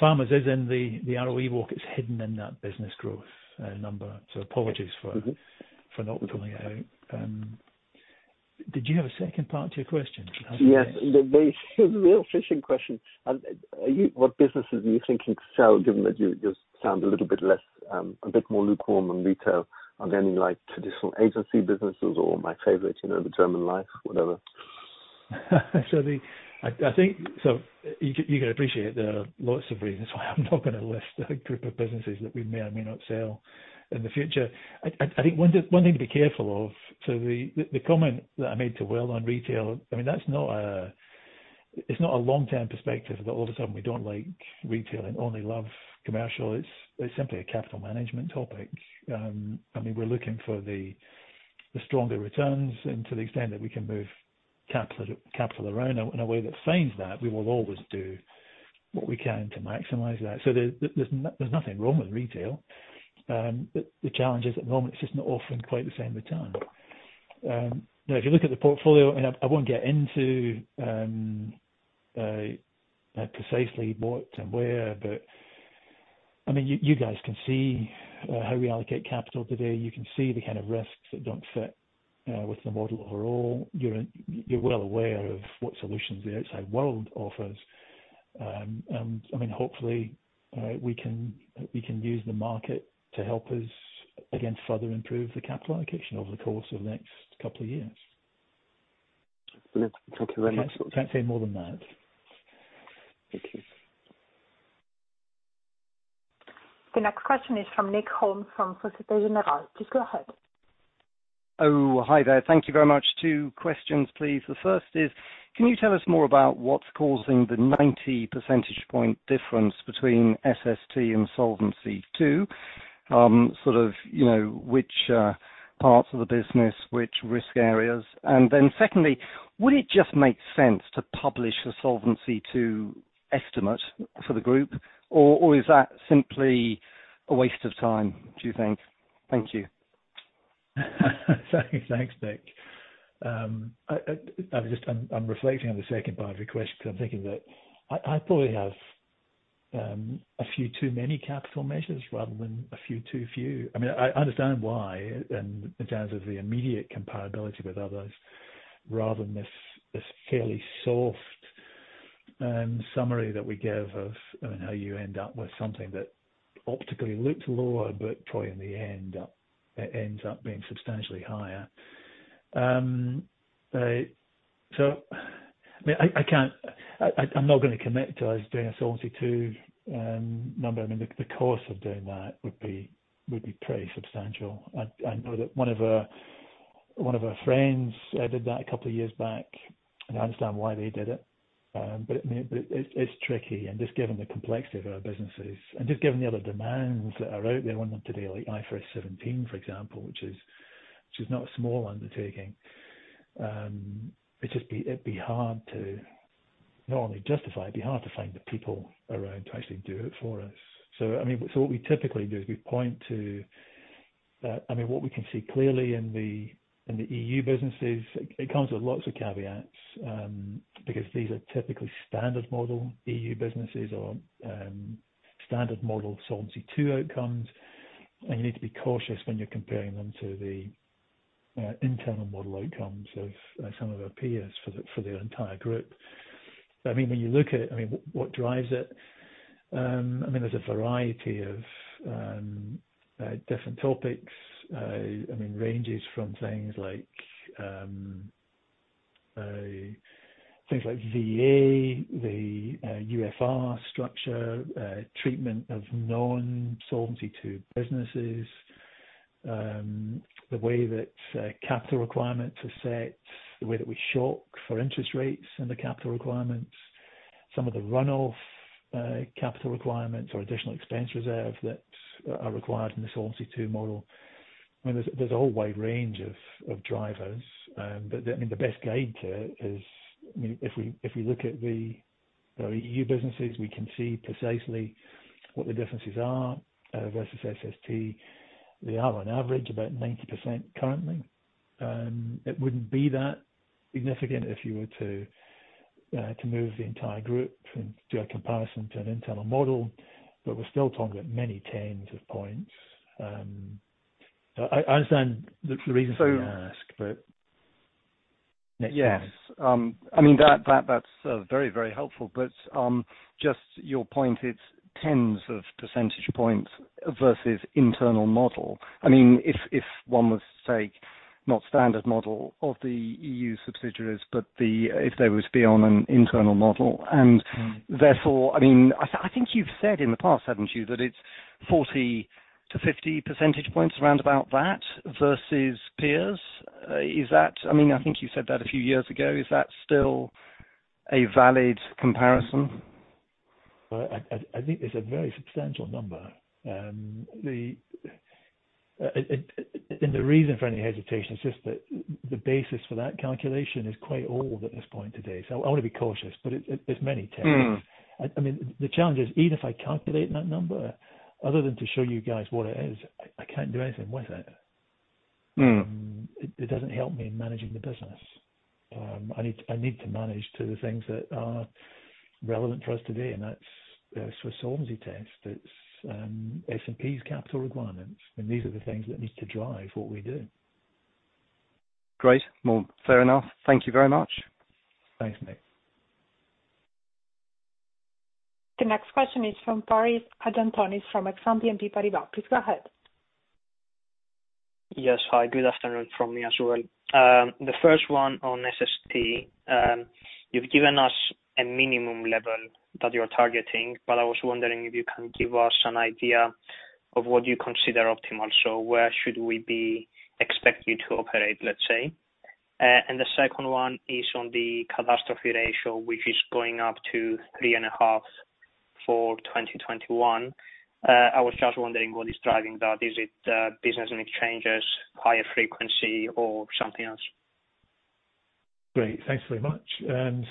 Farmers is in the ROE walk. It's hidden in that business growth number. for not pulling it out. Did you have a second part to your question? Yes. It was a real fishing question. What businesses are you thinking to sell, given that you sound a little bit less, a bit more lukewarm on retail? Are there any traditional agency businesses or my favorite, the German Life, whatever? You can appreciate there are lots of reasons why I'm not going to list a group of businesses that we may or may not sell in the future. I think one thing to be careful of, the comment that I made to Will on retail, it's not a long-term perspective that all of a sudden we don't like retail and only love commercial. It's simply a capital management topic. We're looking for the stronger returns. To the extent that we can move capital around in a way that finds that, we will always do what we can to maximize that. There's nothing wrong with retail. The challenge is, at the moment, it's just not offering quite the same return. If you look at the portfolio, I won't get into precisely what and where, you guys can see how we allocate capital today. You can see the kind of risks that don't fit with the model overall. You're well aware of what solutions the outside world offers. Hopefully, we can use the market to help us, again, further improve the capital allocation over the course of the next couple of years. Okay. Thank you very much. Can't say more than that. Thank you. The next question is from Nick Holmes from Societe Generale. Please go ahead. Oh, hi there. Thank you very much. Two questions, please. The first is, can you tell us more about what's causing the 90 percentage point difference between SST and Solvency II? Sort of, which parts of the business, which risk areas? Secondly, would it just make sense to publish the Solvency II estimate for the group, or is that simply a waste of time, do you think? Thank you. Thanks, Nick. I'm reflecting on the second part of your question because I'm thinking that I probably have a few too many capital measures rather than a few too few. I understand why, in terms of the immediate comparability with others, rather than this fairly soft summary that we give of how you end up with something that optically looks lower, but probably in the end, it ends up being substantially higher. I'm not going to commit to us doing a Solvency II number. The cost of doing that would be pretty substantial. I know that one of our friends did that a couple of years back, and I understand why they did it. It's tricky, and just given the complexity of our businesses and just given the other demands that are out there on them today, like IFRS 17, for example, which is not a small undertaking. It'd be hard to not only justify, it'd be hard to find the people around to actually do it for us. What we typically do is we point to what we can see clearly in the EU businesses. It comes with lots of caveats, because these are typically standard model EU businesses or standard model Solvency II outcomes, and you need to be cautious when you're comparing them to the internal model outcomes of some of our peers for their entire group. When you look at what drives it, there's a variety of different topics. It ranges from things like VA, the UFR structure, treatment of non-Solvency II businesses, the way that capital requirements are set, the way that we shock for interest rates and the capital requirements, some of the runoff capital requirements or additional expense reserve that are required in the Solvency II model. There's a whole wide range of drivers. The best guide is if we look at the EU businesses, we can see precisely what the differences are versus SST. They are on average about 90% currently. It wouldn't be that significant if you were to move the entire group and do a comparison to an internal model, but we're still talking about many tens of points. I understand the reason for me to ask. Yes. That's very helpful, just your point, it's tens of percentage points versus internal model. If one was to say, not standard model of the EU subsidiaries, if they was to be on an internal model, therefore, I think you've said in the past, haven't you, that it's 40 to 50 percentage points around about that versus peers. I think you said that a few years ago. Is that still a valid comparison? I think it's a very substantial number. The reason for any hesitation is just that the basis for that calculation is quite old at this point today. I want to be cautious, but it's many tens. The challenge is, even if I calculate that number, other than to show you guys what it is, I can't do anything with it. It doesn't help me in managing the business. I need to manage to the things that are relevant for us today, and that's the Swiss Solvency Test, it's S&P's capital requirements, and these are the things that need to drive what we do. Great. Well, fair enough. Thank you very much. Thanks, Nick. The next question is from Paris Hadjiantonis from Exane BNP Paribas. Please go ahead. Yes. Hi, good afternoon from me as well. The first one on SST. You've given us a minimum level that you're targeting, but I was wondering if you can give us an idea of what you consider optimal. Where should we be expecting you to operate, let's say. The second one is on the catastrophe ratio, which is going up to 3.5 for 2021. I was just wondering what is driving that. Is it business and exchanges, higher frequency or something else? Great. Thanks very much. On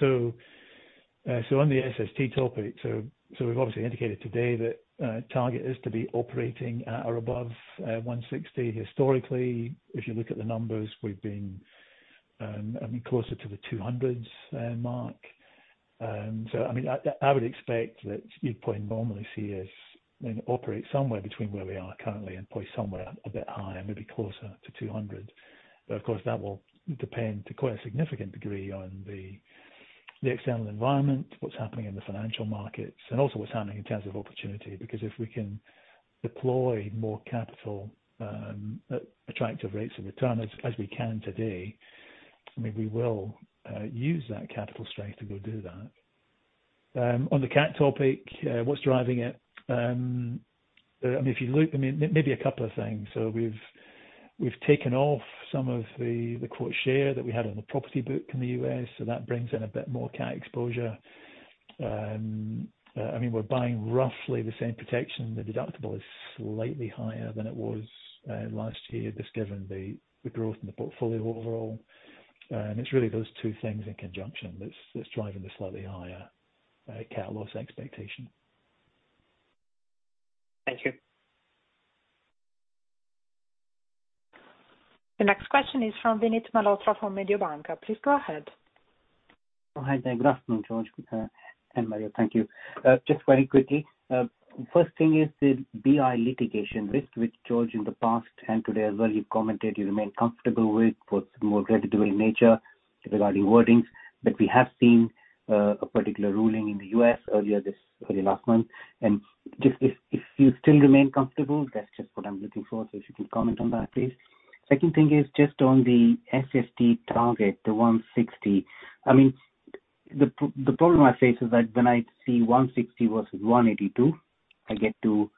the SST topic, we've obviously indicated today that target is to be operating at or above 160. Historically, if you look at the numbers, we've been closer to the 200s mark. I would expect that you'd probably normally see us operate somewhere between where we are currently and probably somewhere a bit higher, maybe closer to 200. Of course, that will depend to quite a significant degree on the external environment, what's happening in the financial markets, and also what's happening in terms of opportunity. If we can deploy more capital at attractive rates of return as we can today, we will use that capital strength to go do that. On the cat topic, what's driving it? Maybe a couple of things. We've taken off some of the quota share that we had on the property book in the U.S. That brings in a bit more cat exposure. We're buying roughly the same protection. The deductible is slightly higher than it was last year, just given the growth in the portfolio overall. Really those two things in conjunction that's driving the slightly higher cat loss expectation. Thank you. The next question is from Vinit Malhotra from Mediobanca. Please go ahead. Hi there. Good afternoon, George and Mario. Thank you. Just very quickly. First thing is the BI litigation risk, which George, in the past and today as well, you've commented you remain comfortable with for some more creditable nature regarding wordings. We have seen a particular ruling in the U.S. earlier this very last month. Just if you still remain comfortable, that's just what I'm looking for. If you can comment on that, please. Second thing is just on the SST target, the 160. The problem I face is that when I see 160 versus 182, I get to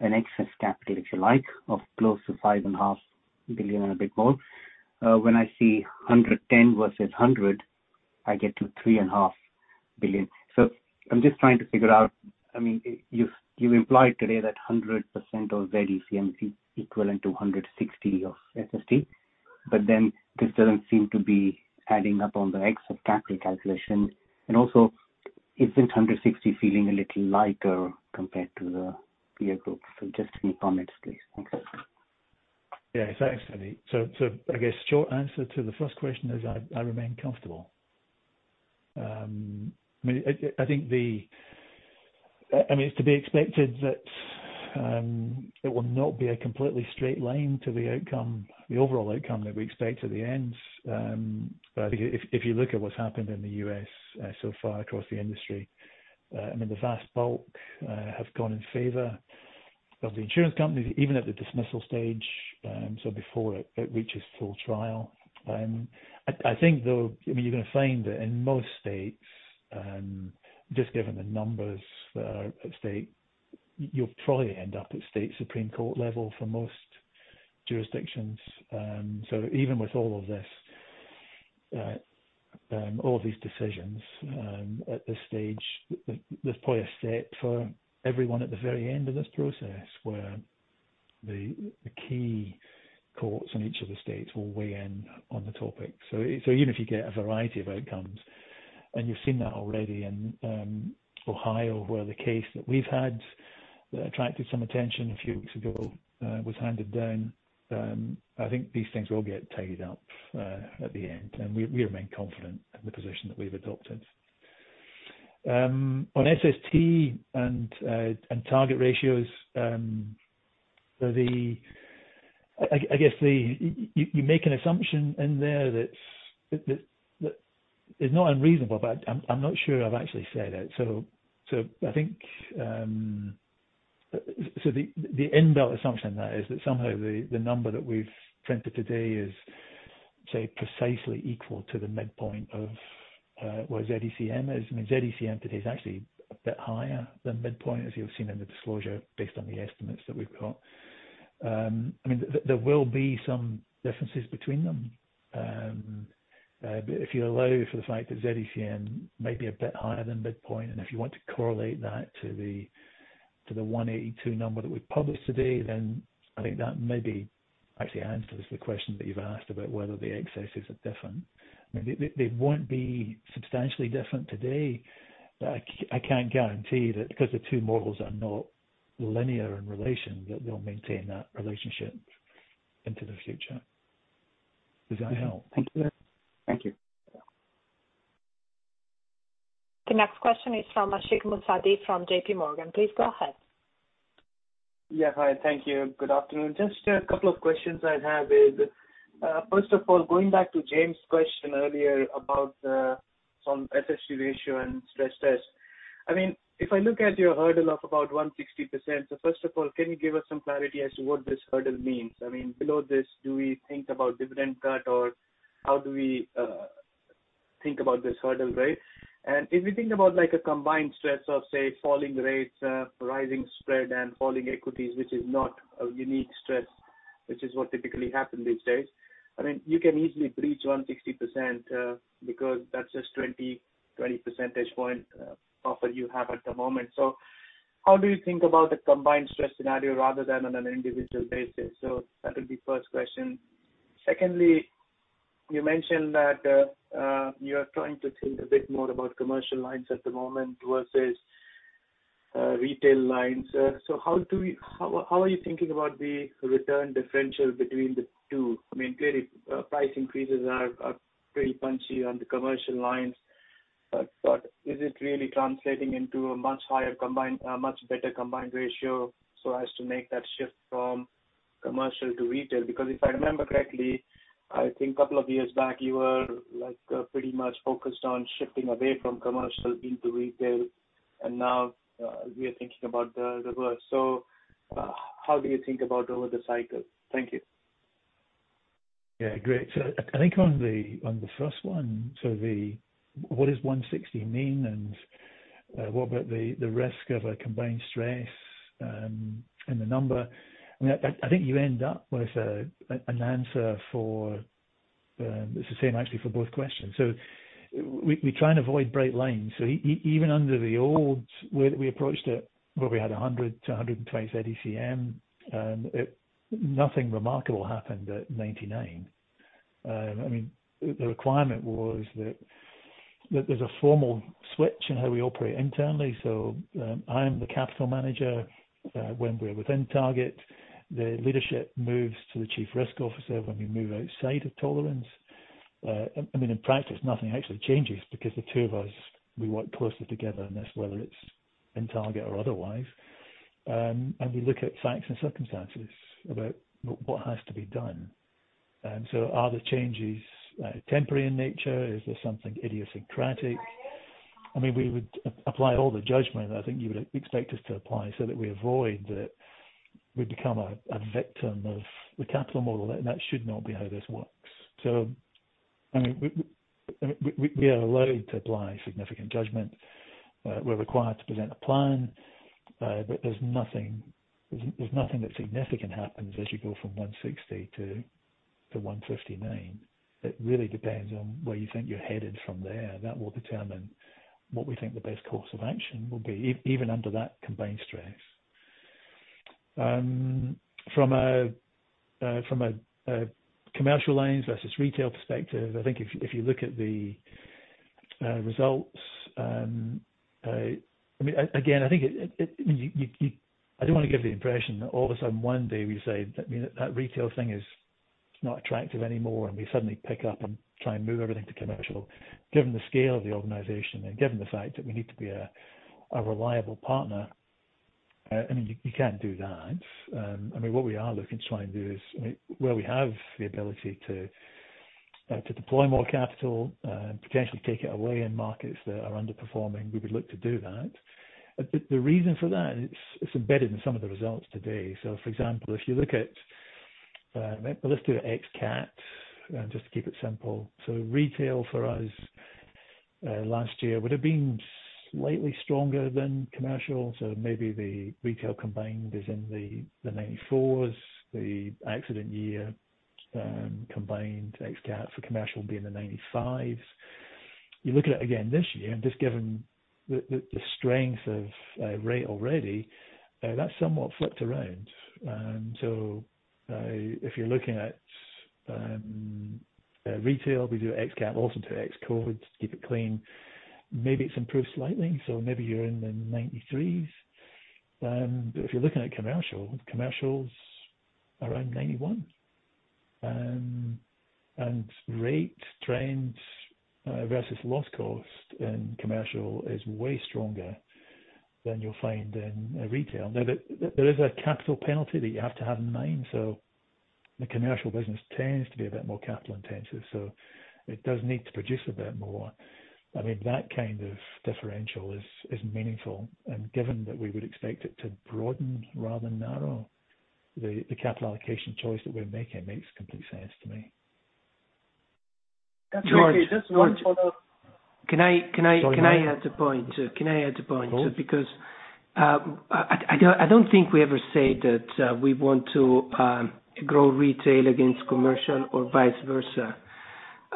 an excess capital, if you like, of close to 5.5 billion or a bit more. When I see 110 versus 100, I get to 3.5 billion. I'm just trying to figure out, you've implied today that 100% of Z-ECM is equivalent to 160 of SST, but then this doesn't seem to be adding up on the excess capital calculation. Also, isn't 160 feeling a little lighter compared to the peer group? Just any comments, please. Thanks. Yeah, thanks, Vinit. I guess short answer to the first question is, I remain comfortable. It's to be expected that it will not be a completely straight line to the outcome, the overall outcome that we expect at the end. If you look at what's happened in the U.S. so far across the industry, the vast bulk have gone in favor of the insurance companies, even at the dismissal stage, so before it reaches full trial. I think, though, you're going to find that in most states, just given the numbers at stake, you'll probably end up at state supreme court level for most jurisdictions. Even with all of these decisions at this stage, there's probably a set for everyone at the very end of this process where the key courts in each of the states will weigh in on the topic. Even if you get a variety of outcomes, and you've seen that already in Ohio, where the case that we've had that attracted some attention a few weeks ago was handed down. I think these things will get tidied up at the end, and we remain confident in the position that we've adopted. On SST and target ratios, I guess you make an assumption in there that is not unreasonable, but I'm not sure I've actually said it. The inbuilt assumption there is that somehow the number that we've printed today is, say, precisely equal to the midpoint of where Z-ECM is. Z-ECM today is actually a bit higher than midpoint, as you've seen in the disclosure, based on the estimates that we've got. There will be some differences between them. If you allow for the fact that Z-ECM may be a bit higher than midpoint, and if you want to correlate that to the 182 number that we published today, then I think that maybe actually answers the question that you've asked about whether the excesses are different. They won't be substantially different today, but I can't guarantee that because the two models are not linear in relation, that they'll maintain that relationship into the future. Does that help? Thank you. The next question is from Ashik Musaddi from J.P. Morgan. Please go ahead. Yeah. Hi, thank you. Good afternoon. Just a couple of questions I have is, first of all, going back to James' question earlier about some SST ratio and stress test. If I look at your hurdle of about 160%, first of all, can you give us some clarity as to what this hurdle means? Below this, do we think about dividend cut, or how do we think about this hurdle, right? If we think about a combined stress of, say, falling rates, rising spread, and falling equities, which is not a unique stress, which is what typically happen these days, you can easily breach 160% because that's just 20 percentage point buffer you have at the moment. How do you think about the combined stress scenario rather than on an individual basis? That will be first question. Secondly, you mentioned that you are trying to think a bit more about commercial lines at the moment versus retail lines. How are you thinking about the return differential between the two? Clearly, price increases are pretty punchy on the commercial lines, but is it really translating into a much better combined ratio so as to make that shift from commercial to retail? If I remember correctly, I think couple of years back, you were pretty much focused on shifting away from commercial into retail, and now we are thinking about the reverse. How do you think about over the cycle? Thank you. Yeah. Great. I think on the first one, what does 160 mean, and what about the risk of a combined stress, and the number? I think you end up with an answer for. It's the same actually for both questions. We try and avoid bright lines. Even under the old, where we approached it, where we had 100-120 ECM, nothing remarkable happened at 99. The requirement was that there's a formal switch in how we operate internally. I'm the capital manager, when we're within target, the leadership moves to the Chief Risk Officer when we move outside of tolerance. In practice, nothing actually changes because the two of us, we work closely together in this, whether it's in target or otherwise. We look at facts and circumstances about what has to be done. Are the changes temporary in nature? Is there something idiosyncratic? We would apply all the judgment I think you would expect us to apply so that we avoid that we become a victim of the capital model, and that should not be how this works. We are allowed to apply significant judgment. We're required to present a plan, but there's nothing that significant happens as you go from 160 to 159. It really depends on where you think you're headed from there. That will determine what we think the best course of action will be, even under that combined stress. From a commercial lens versus retail perspective, I think if you look at the results I don't want to give the impression that all of a sudden one day we say that retail thing is not attractive anymore, and we suddenly pick up and try and move everything to commercial. Given the scale of the organization and given the fact that we need to be a reliable partner, you can't do that. What we are looking to try and do is, where we have the ability to deploy more capital, potentially take it away in markets that are underperforming, we would look to do that. The reason for that, it's embedded in some of the results today. For example, if you look at Let's do ex_cat, just to keep it simple. Retail for us last year would've been slightly stronger than commercial, so maybe the retail combined is in the 94%, the accident year combined ex_cat for commercial would be in the 95%. You look at it again this year, just given the strength of rate already, that's somewhat flipped around. If you're looking at retail, we do ex_cat also to ex COVID, keep it clean. Maybe it's improved slightly, maybe you're in the 93s. If you're looking at commercial's around 91. Rate trends versus loss cost in commercial is way stronger than you'll find in retail. Now, there is a capital penalty that you have to have in mind. The commercial business tends to be a bit more capital intensive. It does need to produce a bit more. That kind of differential is meaningful, and given that we would expect it to broaden rather than narrow, the capital allocation choice that we're making makes complete sense to me. That's okay. Just one follow- George. Can I add a point? Sorry, go ahead. Can I add a point? Of course. I don't think we ever said that we want to grow retail against commercial or vice versa.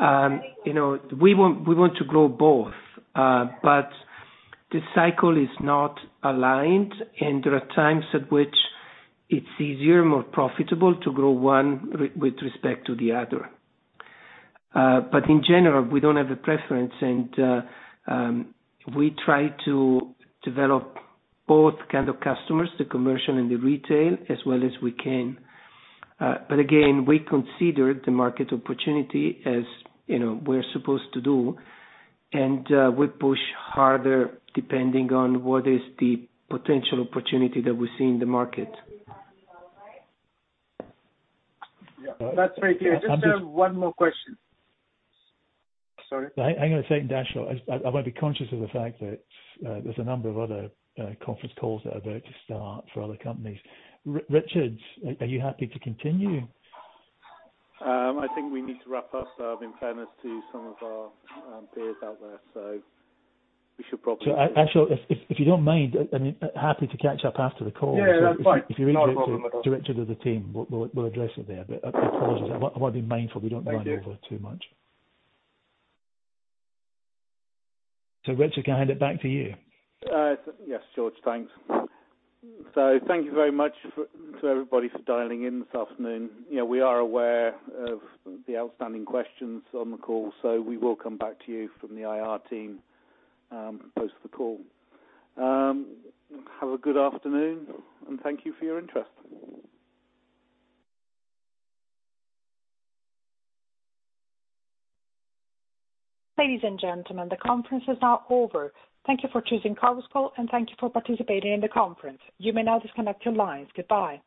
We want to grow both. The cycle is not aligned, and there are times at which it's easier, more profitable to grow one with respect to the other. In general, we don't have a preference, and we try to develop both kind of customers, the commercial and the retail, as well as we can. Again, we consider the market opportunity as we're supposed to do, and we push harder depending on what is the potential opportunity that we see in the market. Yeah. That's very clear. Just have one more question. Sorry. Hang on a second, Ashik. I want to be conscious of the fact that there's a number of other conference calls that are about to start for other companies. Richard, are you happy to continue? I think we need to wrap up. In fairness to some of our peers out there. Ashik, if you don't mind, I'm happy to catch up after the call. Yeah, yeah. That's fine. Not a problem at all. If you need to direct it to the team, we'll address it there. Apologies. I want to be mindful we don't run over too much. Thank you. Richard, can I hand it back to you? Yes, George. Thanks. Thank you very much to everybody for dialing in this afternoon. We are aware of the outstanding questions on the call, so we will come back to you from the IR team post the call. Have a good afternoon, and thank you for your interest. Ladies and gentlemen, the conference is now over. Thank you for choosing Chorus Call, and thank you for participating in the conference. You may now disconnect your lines. Goodbye.